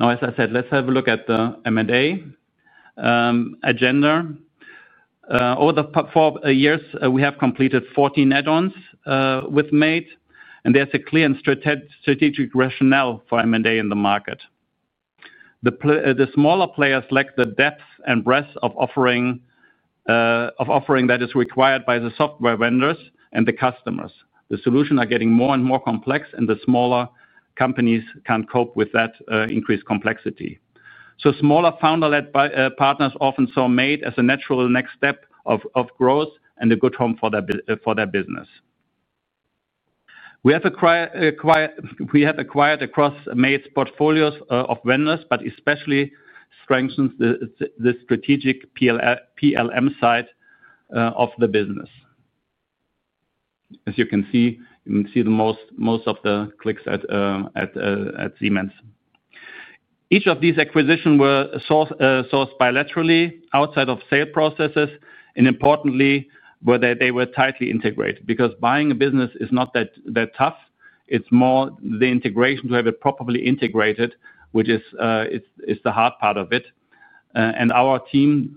Speaker 7: Now, as I said, let's have a look at the M&A agenda. Over the four years, we have completed 14 add-ons with MAIT, and there's a clear and strategic rationale for M&A in the market. The smaller players lack the depth and breadth of offering that is required by the software vendors and the customers. The solutions are getting more and more complex, and the smaller companies can't cope with that increased complexity. Smaller founder-led partners often saw MAIT as a natural next step of growth, and a good home for their business. We have acquired across MAIT's portfolios of vendors, but especially strengthened the strategic PLM side of the business. As you can see, you can see most of the clicks at Siemens. Each of these acquisitions was sourced bilaterally outside of sale processes, and importantly, they were tightly integrated because buying a business is not that tough. It's more the integration to have it properly integrated, which is the hard part of it. Our team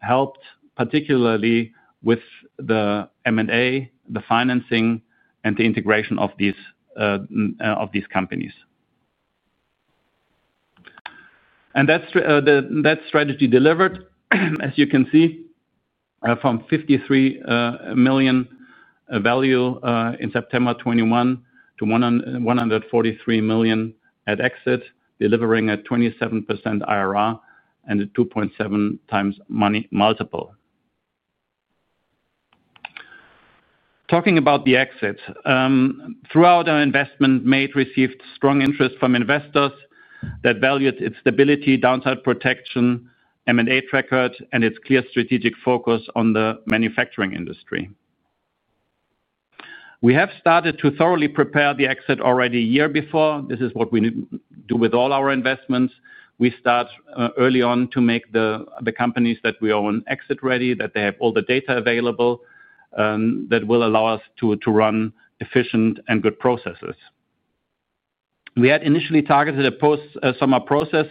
Speaker 7: helped particularly with the M&A, the financing, and the integration of these companies. That strategy delivered, as you can see, from €53 million value in September 2021 to €143 million at exit, delivering a 27% IRR and a 2.7x money multiple. Talking about the exit, throughout our investment, MAIT received strong interest from investors that valued its stability, downside protection, M&A track record, and its clear strategic focus on the manufacturing industry. We have started to thoroughly prepare the exit already a year before. This is what we need to do with all our investments. We start early on to make the companies that we own exit-ready, that they have all the data available that will allow us to run efficient and good processes. We had initially targeted a post-summer process,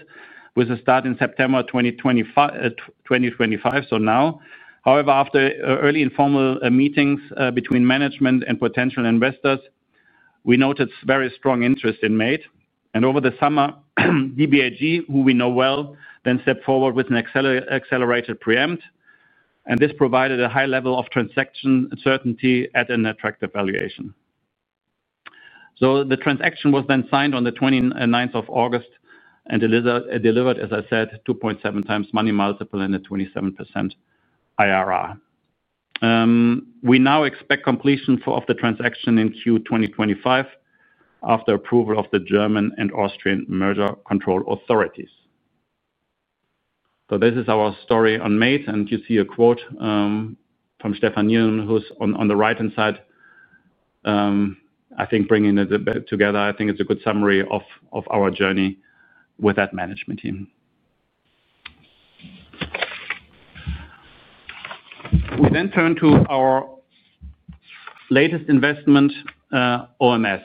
Speaker 7: with a start in September 2025, so now. However, after early informal meetings between management and potential investors, we noted very strong interest in MAIT. Over the summer, DBAG, who we know well, then stepped forward with an accelerated preempt. This provided a high level of transaction certainty at an attractive valuation. The transaction was then signed on the 29th of August and delivered, as I said, 2.7x money multiple and a 27% IRR. We now expect completion of the transaction in Q2 2025, after approval of the German and Austrian merger control authorities. This is our story on MAIT, and you see a quote from Stefan Neumann who's on the right-hand side, I think bringing it together. I think it's a good summary of our journey with that management team. We then turn to our latest investment, OMS.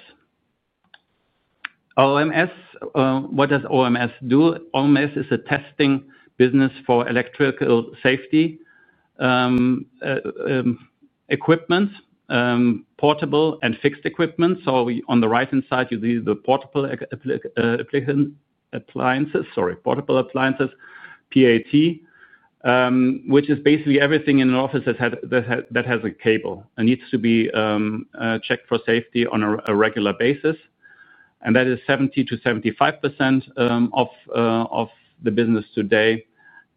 Speaker 7: What does OMS do? OMS is a testing business for electrical safety equipment, portable and fixed equipment. On the right-hand side, you see the portable appliances, PAT, which is basically everything in an office that has a cable and needs to be checked for safety on a regular basis. That is 70%-75% of the business today.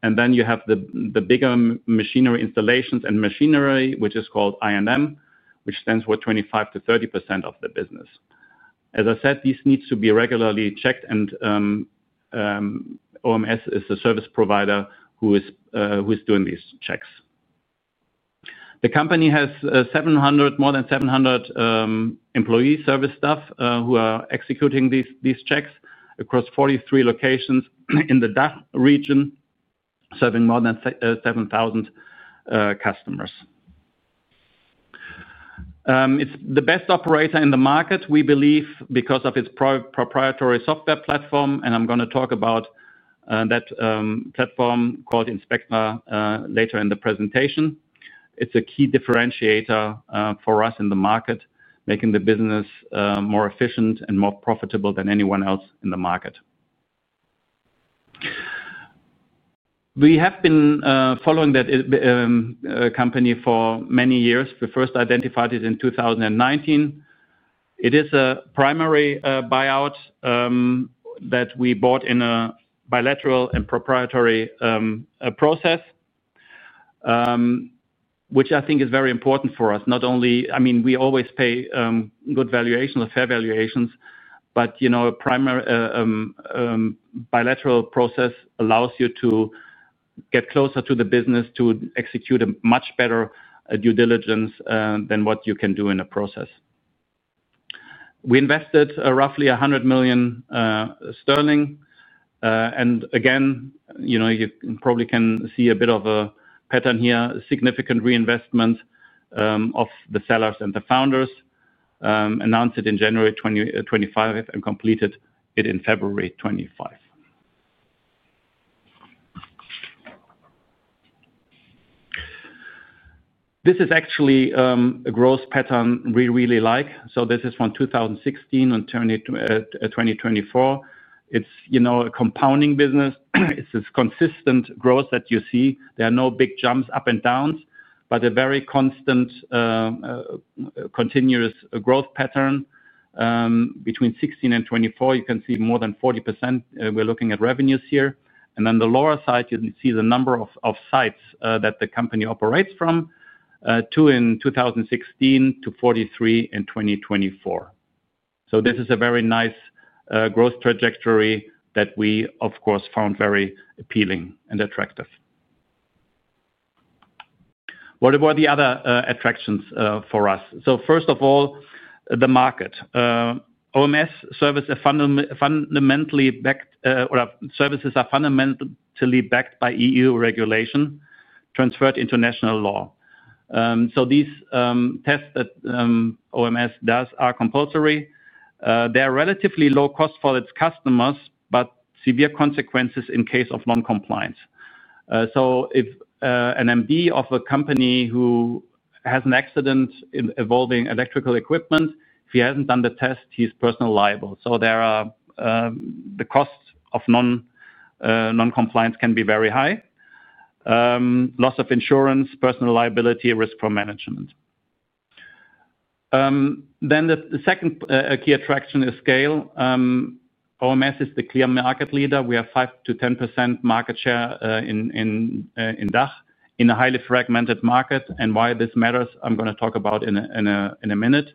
Speaker 7: Then you have the bigger machinery installations and machinery, which is called I&M, which stands for 25%-30% of the business. As I said, these need to be regularly checked, and OMS is the service provider who is doing these checks. The company has more than 700 employees, service staff who are executing these checks across 43 locations in the DACH region, serving more than 7,000 customers. It's the best operator in the market, we believe, because of its proprietary software platform. I'm going to talk about that platform called INSPEKTRA later in the presentation. It's a key differentiator for us in the market, making the business more efficient and more profitable than anyone else in the market. We have been following that company for many years. We first identified it in 2019. It is a primary buyout that we bought in a bilateral and proprietary process, which I think is very important for us. I mean, we always pay good valuations or fair valuations, but a bilateral process allows you to get closer to the business, to execute a much better due diligence than what you can do in a process. We invested roughly £100 million. Again, you probably can see a bit of a pattern here, a significant reinvestment of the sellers and the founders, announced it in January 2025 and completed it in February 2025. This is actually a growth pattern we really like. This is from 2016, and turned to 2024. It's a compounding business. It's this consistent growth that you see. There are no big jumps, up and downs, but a very constant, continuous growth pattern. Between 2016 and 2024, you can see more than 40%. We're looking at revenues here. On the lower side, you can see the number of sites that the company operates from, two in 2016 to 43 in 2024. This is a very nice growth trajectory that we of course found very appealing and attractive. What about the other attractions for us? First of all, the market. OMS services are fundamentally backed by EU regulation, transferred international law. These tests that OMS does are compulsory. They're relatively low-cost for its customers, but severe consequences in case of non-compliance. If an MD of a company has an accident involving electrical equipment, if he hasn't done the test, he's personally liable. The cost of non-compliance can be very high. Loss of insurance, personal liability, risk for management. The second key attraction is scale. OMS is the clear market leader. We have 5%-10% market share in DACH, in a highly fragmented market. Why this matters, I'm going to talk about in a minute.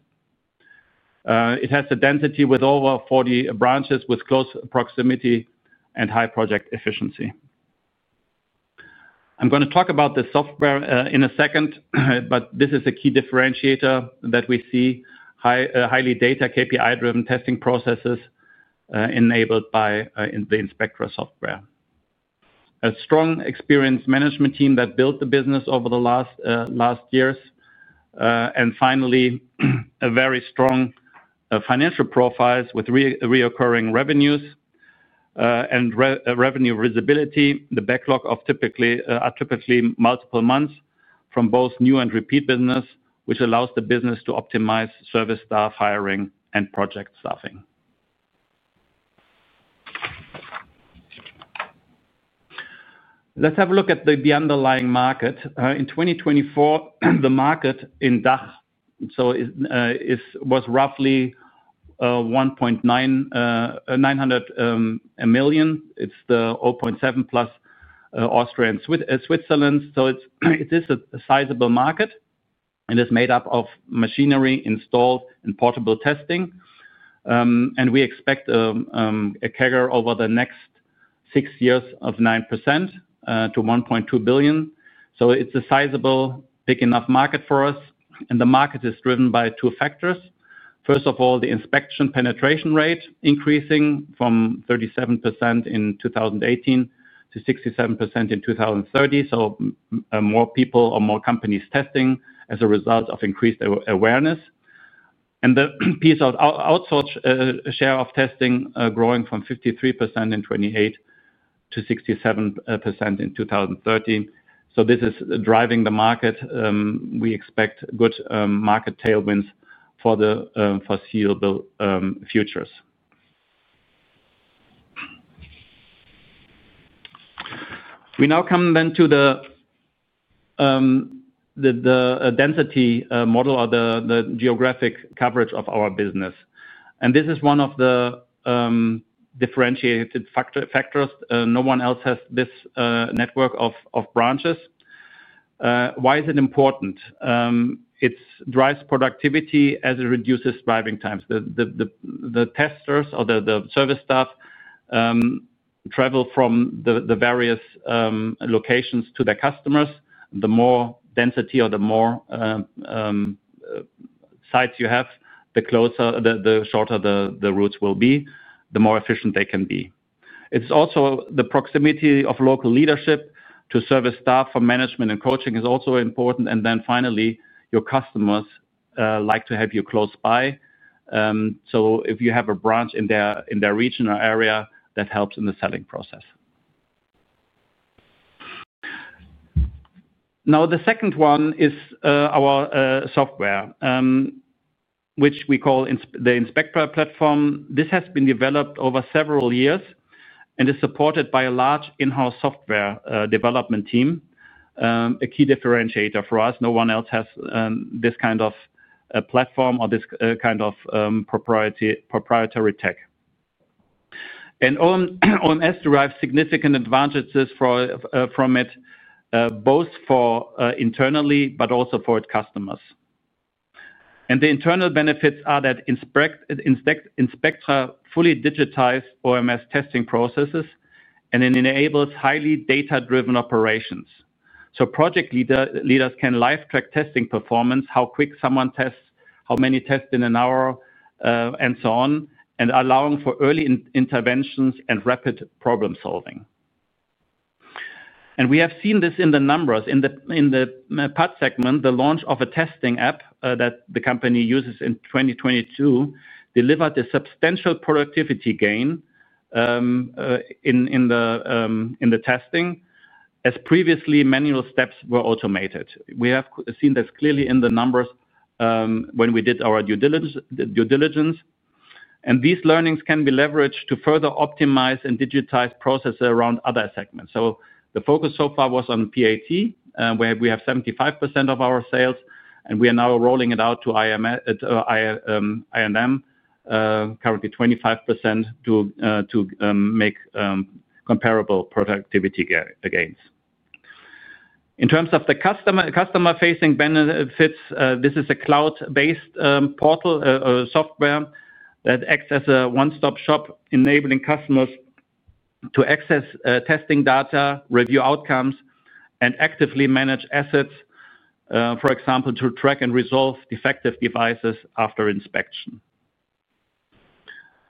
Speaker 7: It has a density with over 40 branches, with close proximity and high project efficiency. I'm going to talk about the software in a second, but this is a key differentiator that we see, highly data KPI-driven testing processes enabled by the INSPEKTRA software. A strong experienced management team that built the business over the last years, and finally, a very strong financial profile with recurring revenues and revenue visibility. The backlog is typically multiple months from both new and repeat business, which allows the business to optimize service staff hiring and project staffing. Let's have a look at the underlying market. In 2024, the market in DACH was roughly €1.9 billion. It's €0.7 billion, plus Austria and Switzerland. It is a sizable market. It is made up of machinery, install, and portable testing. We expect a CAGR over the next six years of 9% to $1.2 billion. It's a sizable, big-enough market for us. The market is driven by two factors. First of all, the inspection penetration rate increasing from 37% in 2018 to 67% in 2030. More people or more companies are testing as a result of increased awareness. The piece of outsourced share of testing is growing from 53% in 2018 to 67% in 2030. This is driving the market. We expect good market tailwinds for the foreseeable future. We now come to the density model or the geographic coverage of our business. This is one of the differentiated factors. No one else has this network of branches. Why is it important? It drives productivity as it reduces driving times. The testers or the service staff travel from the various locations to their customers. The more density or the more sites you have, the shorter the routes will be, the more efficient they can be. The proximity of local leadership to service staff for management and coaching is also important. Finally, your customers like to have you close by. If you have a branch in their regional area, that helps in the selling process. Now, the second one is our software, which we call the INSPEKTRA platform. This has been developed over several years, and it's supported by a large in-house software development team, a key differentiator for us. No one else has this kind of platform or this kind of proprietary tech. OMS derives significant advantages from it, both internally, but also for its customers. The internal benefits are that INSPEKTRA fully digitized OMS testing processes and enables highly data-driven operations. Project leaders can live-track testing performance, how quick someone tests, how many tests in an hour, and so on, allowing for early interventions and rapid problem-solving. We have seen this in the numbers. In the Pod Segment, the launch of a testing app that the company uses in 2022, delivered a substantial productivity gain in the testing, as previously manual steps were automated. We have seen this clearly in the numbers when we did our due diligence. These learnings can be leveraged to further optimize and digitize processes around other segments. The focus so far was on PAT, where we have 75% of our sales. We are now rolling it out to I&M, currently 25%, to make comparable productivity gains. In terms of the customer-facing benefits, this is a cloud-based portal software that acts as a one-stop shop, enabling customers to access testing data, review outcomes, and actively manage assets, for example, to track and resolve defective devices after inspection.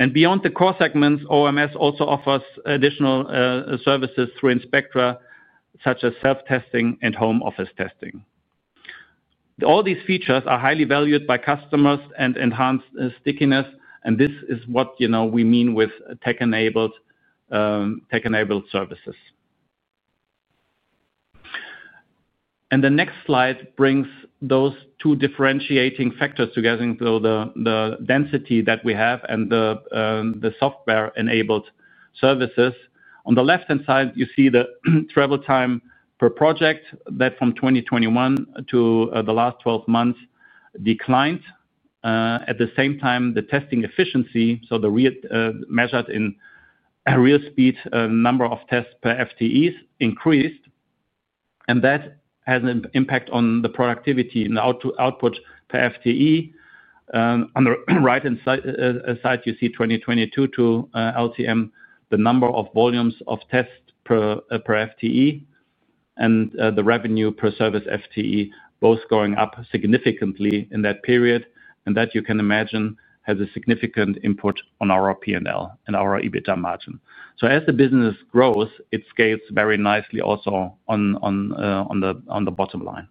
Speaker 7: Beyond the core segments, OMS also offers additional services through INSPEKTRA, such as self-testing and home office testing. All these features are highly valued by customers and enhance stickiness, and this is what we mean with tech-enabled services. The next slide brings those two differentiating factors together, so the density that we have and the software-enabled services. On the left-hand side, you see the travel time per project, that from 2021 to the last 12 months declined. At the same time, the testing efficiency, so that we measured in real speed number of tests per FTEs, increased. That has an impact on the productivity and the output per FTE. On the right-hand side, you see 2022 to LTM, the number of volumes of tests per FTE and the revenue per service FTE, both going up significantly in that period. That, you can imagine, has a significant input on our P&L and our EBITDA margin. As the business grows, it scales very nicely also on the bottom line.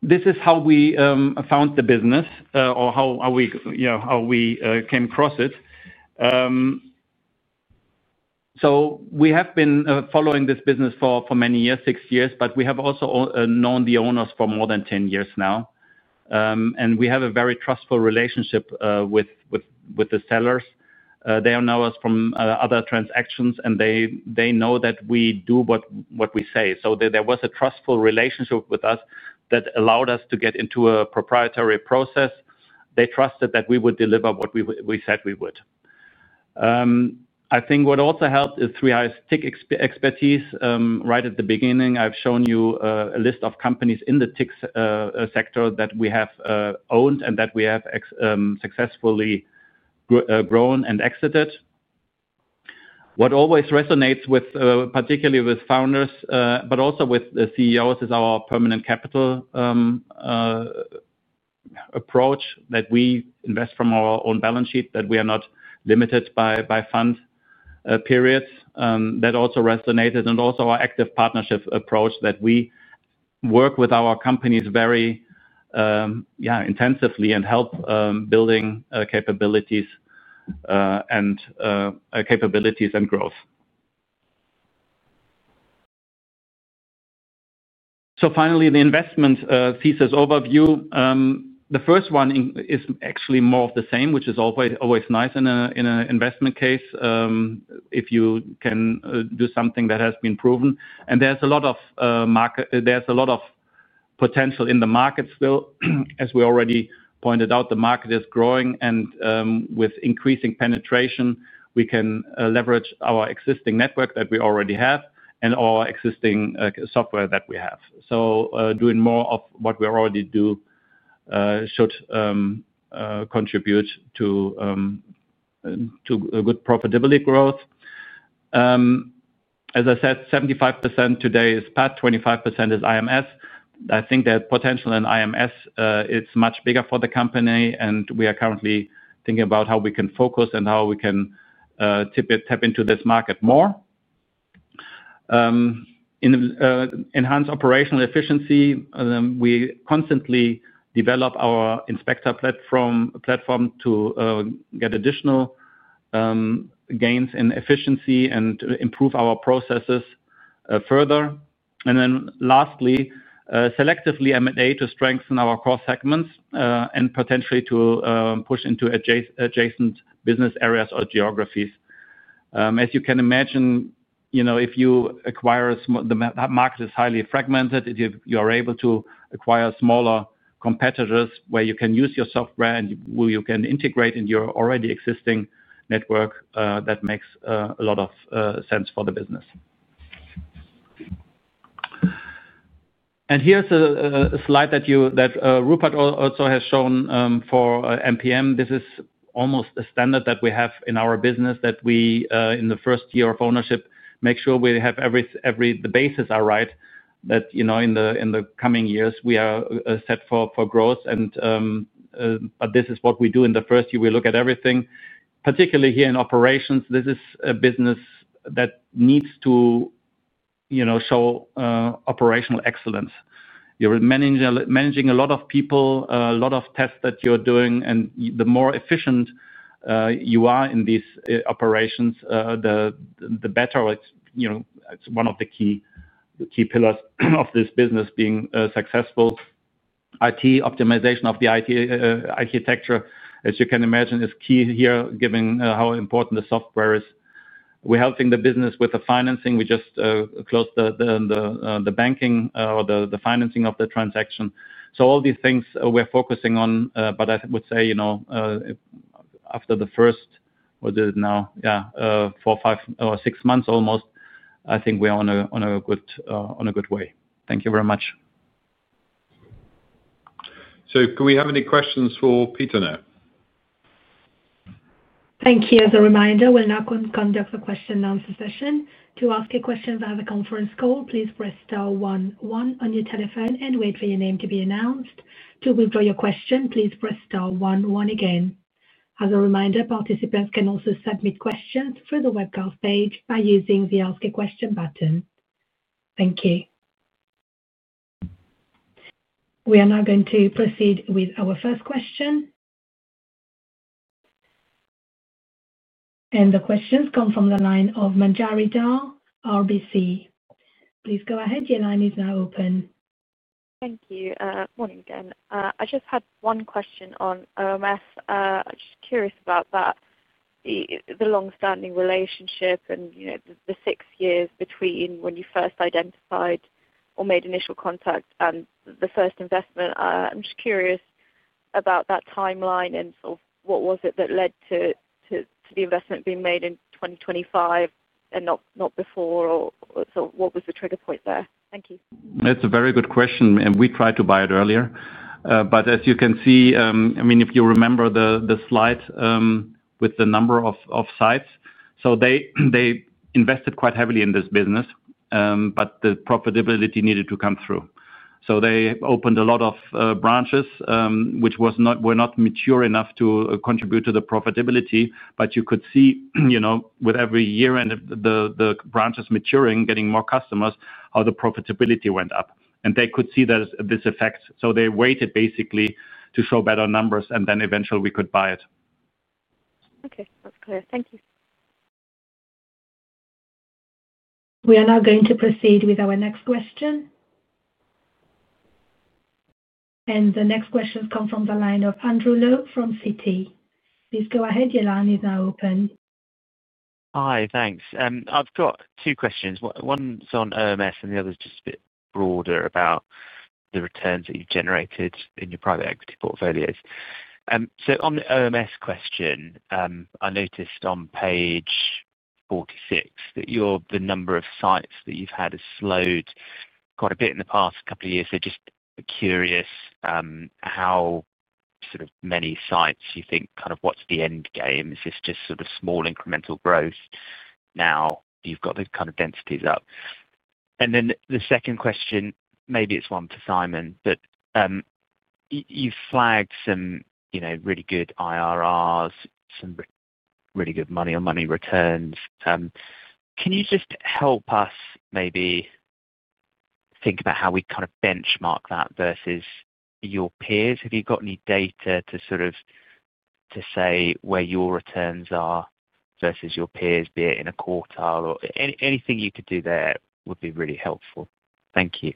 Speaker 7: This is how we found the business or how we came across it. We have been following this business for many years, six years, but we have also known the owners for more than 10 years now. We have a very trustful relationship with the sellers. They know us from other transactions, and they know that we do what we say. There was a trustful relationship with us, that allowed us to get into a proprietary process. They trusted that we would deliver what we said we would. I think what also helped is 3i's tech expertise. Right at the beginning, I've shown you a list of companies in the tech sector that we have owned and that we have successfully grown and exited. What always resonates particularly with founders, but also with the CEOs, is our permanent capital approach that we invest from our own balance sheet, that we are not limited by fund periods. That also resonated. Also, our active partnerships approach, that we work with our companies very intensively and help building capabilities and growth. Finally, the investment thesis overview. The first one is actually more of the same, which is always nice in an investment case, if you can do something that has been proven. There is a lot of potential in the market still. As we already pointed out, the market is growing and with increasing penetration, we can leverage our existing network that we already have and our existing software that we have. Doing more of what we already do should contribute to good profitability growth. As I said, 75% today is PAT, 25% is IMS. I think that potential in IMS is much bigger for the company, and we are currently thinking about how we can focus and how we can tap into this market more. Enhance operational efficiency, we constantly develop our INSPEKTRA platform, to get additional gains in efficiency and improve our processes further. Lastly, selectively, M&A to strengthen our core segments and potentially to push into adjacent business areas or geographies. As you can imagine, if you acquire a market that is highly fragmented, you are able to acquire smaller competitors where you can use your software and you can integrate into your already existing network. That makes a lot of sense for the business. Here is a slide that Rupert also has shown for MPM. This is almost a standard that we have in our business, that we, in the first year of ownership, make sure the bases are right, that in the coming years, we are set for growth. This is what we do in the first year. We look at everything, particularly here in operations. This is a business that needs to show operational excellence. You're managing a lot of people, a lot of tests that you're doing, and the more efficient you are in these operations, the better. It's one of the key pillars of this business being successful. IT, optimization of the IT architecture, as you can imagine, is key here, given how important the software is. We're helping the business with the financing. We just closed the banking or the financing of the transaction. All these things, we're focusing on, but I would say, after the first, what is it now? Four, five or six months almost, I think we're on a good way. Thank you very much.
Speaker 2: Can we have any questions for Peter now?
Speaker 1: Thank you. As a reminder, we'll now conduct a question-and-answer session. To ask a question via the conference call, please press star one, one on your telephone and wait for your name to be announced. To withdraw your question, please press star one, one again. As a reminder, participants can also submit questions through the webcast page by using the Ask a Question button. Thank you. We are now going to proceed with our first question. The questions come from the line of Manjari Dhar, RBC. Please go ahead. Your line is now open.
Speaker 5: Thank you. Morning again. I just had one question on OMS. I'm just curious about that. The long-standing relationship, and the six years between when you first identified or made initial contact and the first investment. I'm just curious about that timeline, and what was it that led to the investment being made in 2025 and not before, or so what was the trigger point there? Thank you.
Speaker 7: That's a very good question. We tried to buy it earlier. If you remember the slides with the number of sites, they invested quite heavily in this business, but the profitability needed to come through. They opened a lot of branches, which were not mature enough to contribute to the profitability. You could see with every year and the branches maturing, getting more customers, how the profitability went up. They could see this affects. They waited basically to show better numbers, and then eventually we could buy it.
Speaker 5: Okay, that's clear. Thank you.
Speaker 1: We are now going to proceed with our next question. The next questions come from the line of Andrew Lowe from Citi. Please go ahead. Your line is now open.
Speaker 8: Hi. Thanks. I've got two questions. One's on OMS, and the other's just a bit broader about the returns that you've generated in your private equity portfolios. On the OMS question, I noticed on page 46 that the number of sites that you've had has slowed quite a bit in the past couple of years. Just curious, kind of what's the end game? Is this just small incremental growth now that you've got the densities up? The second question, maybe it's one for Simon, but you've flagged some really good IRRs, some really good money-on-money returns. Can you just help us maybe think about how we benchmark that versus your peers? Have you got any data to say where your returns are versus your peers, be it in a quartile? Anything you could do there would be really helpful? Thank you.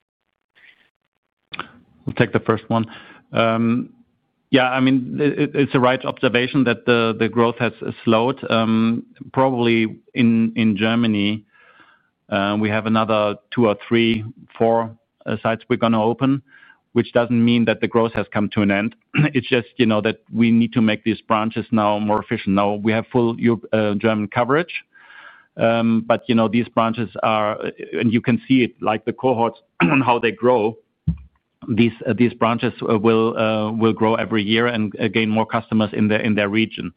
Speaker 7: I'll take the first one. Yeah. I mean, it's a right observation that the growth has slowed. Probably in Germany, we have another two or three, four sites we're going to open, which doesn't mean that the growth has come to an end. It's just that we need to make these branches now more efficient. Now we have full German coverage. You can see it, like the cohorts, I don't know how they grow. These branches will grow every year and gain more customers in their region.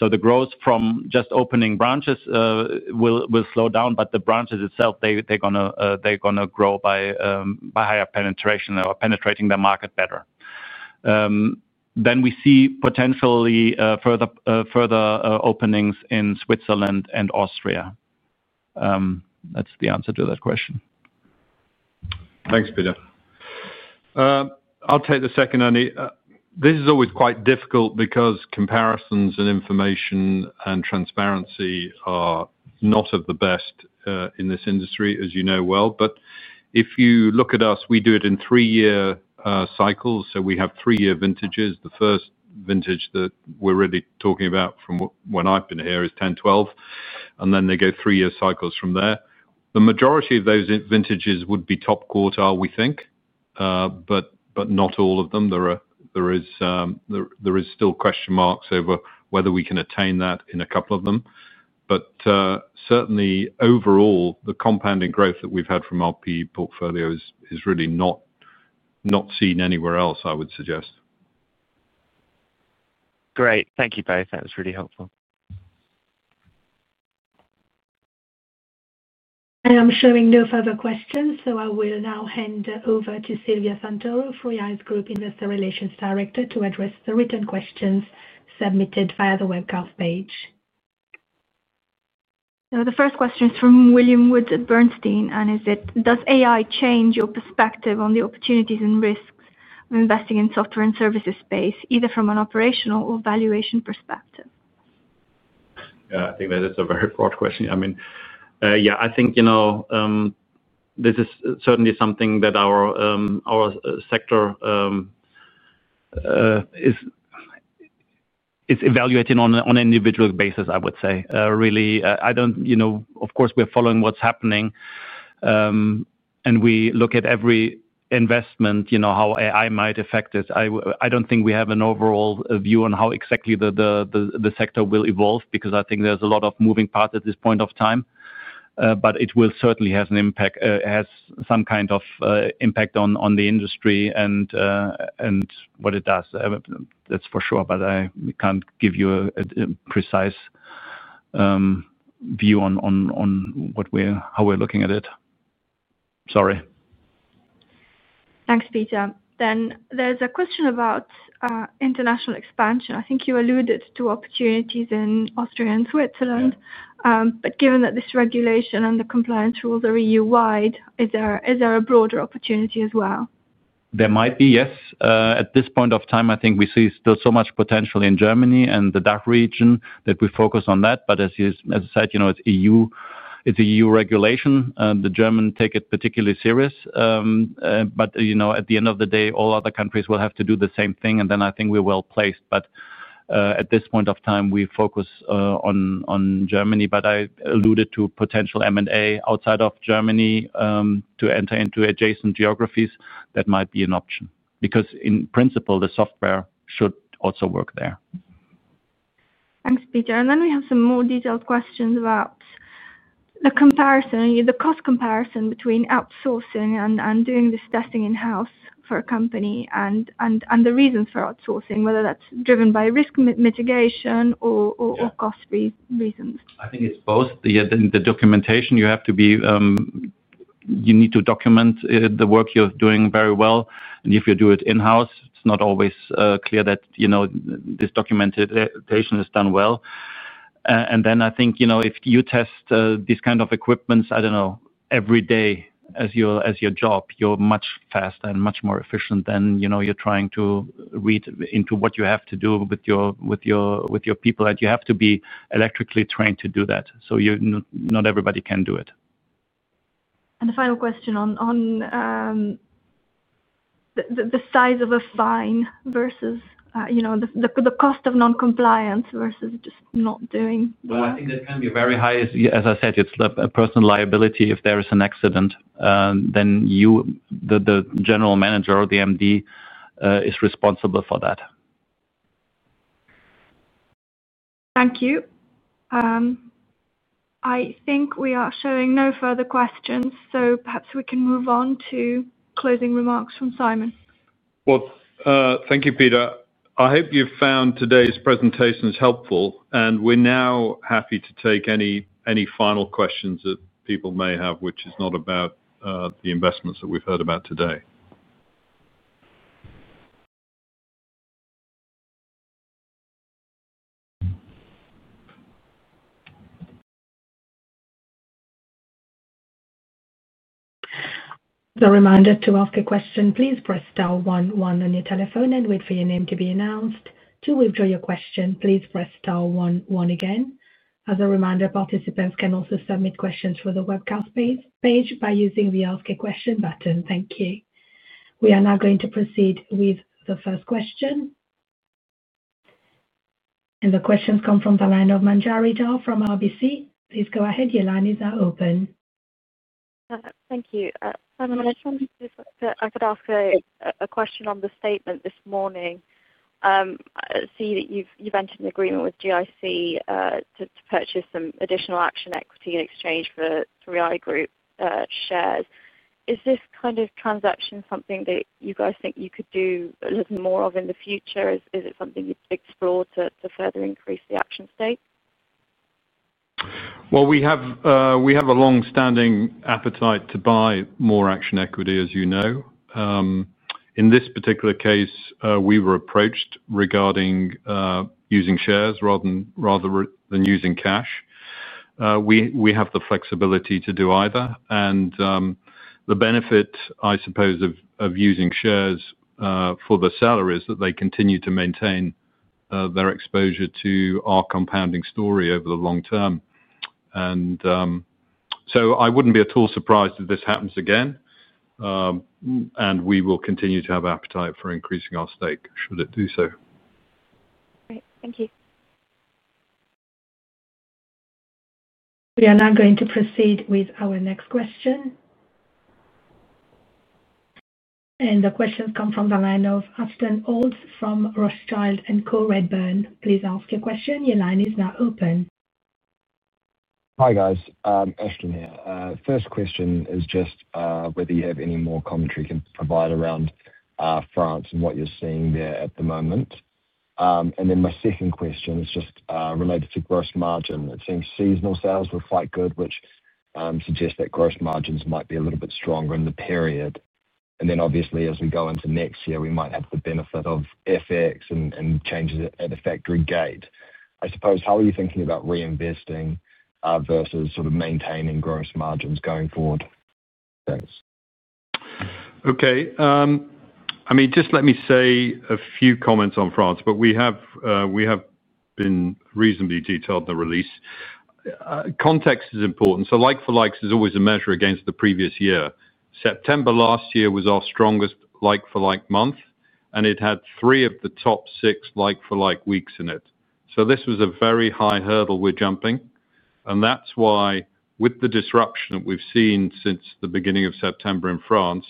Speaker 7: The growth from just opening branches will slow down, but the branches itself, they're going to grow by higher penetration or penetrating the market better. We see potentially, further openings in Switzerland and Austria. That's the answer to that question.
Speaker 2: Thanks, Peter. I'll take the second one. This is always quite difficult because comparisons, and information and transparency are not of the best in this industry, as you know well. If you look at us, we do it in three-year cycles. We have three-year vintages. The first vintage that we're really talking about from when I've been here is 2010, 2012, and then they go three-year cycles from there. The majority of those vintages would be top quartile, we think, but not all of them. There are still question marks over whether we can attain that in a couple of them. Certainly, overall, the compounding growth that we've had from our portfolios is really not seen anywhere else, I would suggest.
Speaker 8: Great. Thank you both. That was really helpful.
Speaker 1: I'm showing no further questions. I will now hand over to Silvia Santoro, 3i's Group Investor Relations Director, to address the written questions submitted via the webcast page.
Speaker 6: The first question is from William Wood at Bernstein, and it says, "Does AI change your perspective on the opportunities and risks of investing in the software and services space, either from an operational or valuation perspective?
Speaker 7: I think that's a very broad question. I mean, I think this is certainly something that our sector is evaluating on an individual basis, I would say. Really, of course we're following what's happening. We look at every investment, how AI might affect it. I don't think we have an overall view on how exactly the sector will evolve, because I think there's a lot of moving parts at this point of time. It will certainly have some kind of impact on the industry and what it does. That's for sure. I can't give you a precise view on how we're looking at it. Sorry.
Speaker 6: Thanks, Peter. There's a question about international expansion. I think you alluded to opportunities in Austria and Switzerland. Given that this regulation and the compliance rules are EU-wide, is there a broader opportunity as well?
Speaker 7: There might be, yes. At this point of time, I think we see still so much potential in Germany and the DACH region, that we focus on that. As I said, it's EU regulation. The Germans take it particularly serious. At the end of the day, all other countries will have to do the same thing. I think we're well placed. At this point of time, we focus on Germany. I alluded to potential M&A outside of Germany to enter into adjacent geographies. That might be an option because in principle, the software should also work there.
Speaker 6: Thanks, Peter. We have some more detailed questions about the comparison, the cost comparison between outsourcing and doing this testing in-house for a company, and the reasons for outsourcing, whether that's driven by risk mitigation or cost reasons.
Speaker 7: I think it's both. The documentation, you have to be, you need to document the work you're doing very well. If you do it in-house, it's not always clear that this documentation is done well. I think if you test these kinds of equipment every day as your job, you're much faster and much more efficient than if you're trying to read into what you have to do with your people. You have to be electrically trained to do that. Not everybody can do it.
Speaker 6: The final question is on the size of a fine, the cost of non-compliance versus just not doing.
Speaker 7: I think that can be very high. As I said, it's a personal liability if there is an accident. You, the General Manager or the MD are responsible for that.
Speaker 6: Thank you. I think we are showing no further questions, so perhaps we can move on to closing remarks from Simon.
Speaker 2: Thank you, Peter. I hope you've found today's presentations helpful, and we're now happy to take any final questions that people may have, which is not about the investments that we've heard about today.
Speaker 1: A reminder, to ask a question, please press star one, one on your telephone and wait for your name to be announced. To withdraw your question, please press star one, one again. As a reminder, participants can also submit questions from the webcast page by using the Ask a Question button. Thank you. We are now going to proceed with the first question. The questions come from the line of Manjari Dhar from RBC. Please go ahead. Your line is now open.
Speaker 5: Thank you. Simon, I just wondered if I could ask a question on the statement this morning. I see that you've entered into an agreement with GIC just to purchase some additional Action equity in exchange of 3i Group shares. Is this kind of transaction something that you guys think you could do a little more of in the future? Is it something you'd explore to further increase the Action stake?
Speaker 2: We have a long-standing appetite to buy more Action equity, as you know. In this particular case, we were approached regarding using shares rather than using cash. We have the flexibility to do either. The benefit, I suppose, of using shares for the seller is that they continue to maintain their exposure to our compounding story over the long term. I wouldn't be at all surprised if this happens again. We will continue to have an appetite for increasing our stake.
Speaker 5: Great. Thank you.
Speaker 3: We are now going to proceed with our next question. The questions come from the line of Ashton Olds from Rothschild and Co Redburn. Please ask your question. Your line is now open.
Speaker 9: Hi, guys. Ashton here. First question is just whether you have any more commentary you can provide around France, and what you're seeing there at the moment. My second question is just related to gross margin. It seems seasonal sales were quite good, which suggests that gross margins might be a little bit stronger in the period. Obviously, as we go into next year, we might have the benefit of FX and changes at the factory gate. I suppose, how are you thinking about reinvesting versus maintaining gross margins going forward?
Speaker 2: Okay. Let me say a few comments on France, but we have been reasonably detailed in the release. Context is important. Like-for-likes is always a measure against the previous year. September last year was our strongest like-for-like month, and it had three of the top six like-for-like weeks in it. This was a very high hurdle we're jumping. That is why with the disruption that we've seen since the beginning of September in France,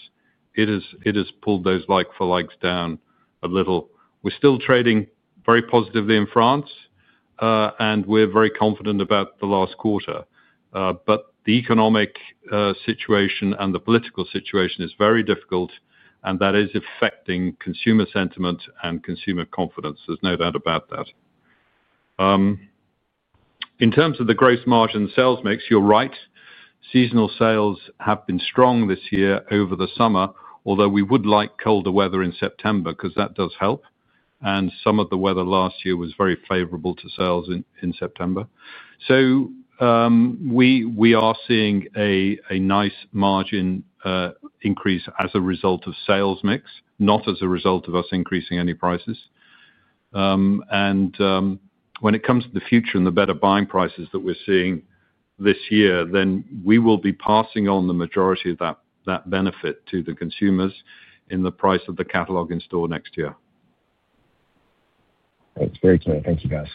Speaker 2: it has pulled those like-for-likes down a little. We're still trading very positively in France, and we're very confident about the last quarter. The economic situation and the political situation is very difficult, and that is affecting consumer sentiments and consumer confidence. There's no doubt about that. In terms of the gross margin sales mix, you're right. Seasonal sales have been strong this year over the summer, although we would like colder weather in September because that does help. Some of the weather last year was very favorable to sales in September. We are seeing a nice margin increase as a result of sales mix, not as a result of us increasing any prices. When it comes to the future and the better buying prices that we're seeing this year, we will be passing on the majority of that benefit to the consumers in the price of the catalog in store next year.
Speaker 9: That's very clear. Thank you, guys.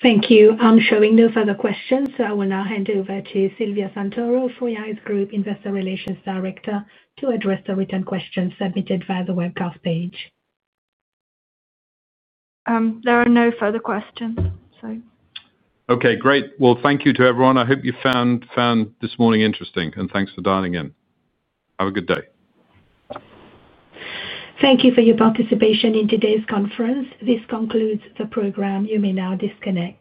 Speaker 1: Thank you. I'm showing no further questions. I will now hand over to Silvia Santoro, the 3i Group Investor Relations Director, to address the written questions submitted via the webcast page.
Speaker 6: There are no further questions.
Speaker 2: Okay, great. Thank you to everyone. I hope you found this morning interesting, and thanks for dialing in. Have a good day.
Speaker 1: Thank you for your participation in today's conference. This concludes the program. You may now disconnect.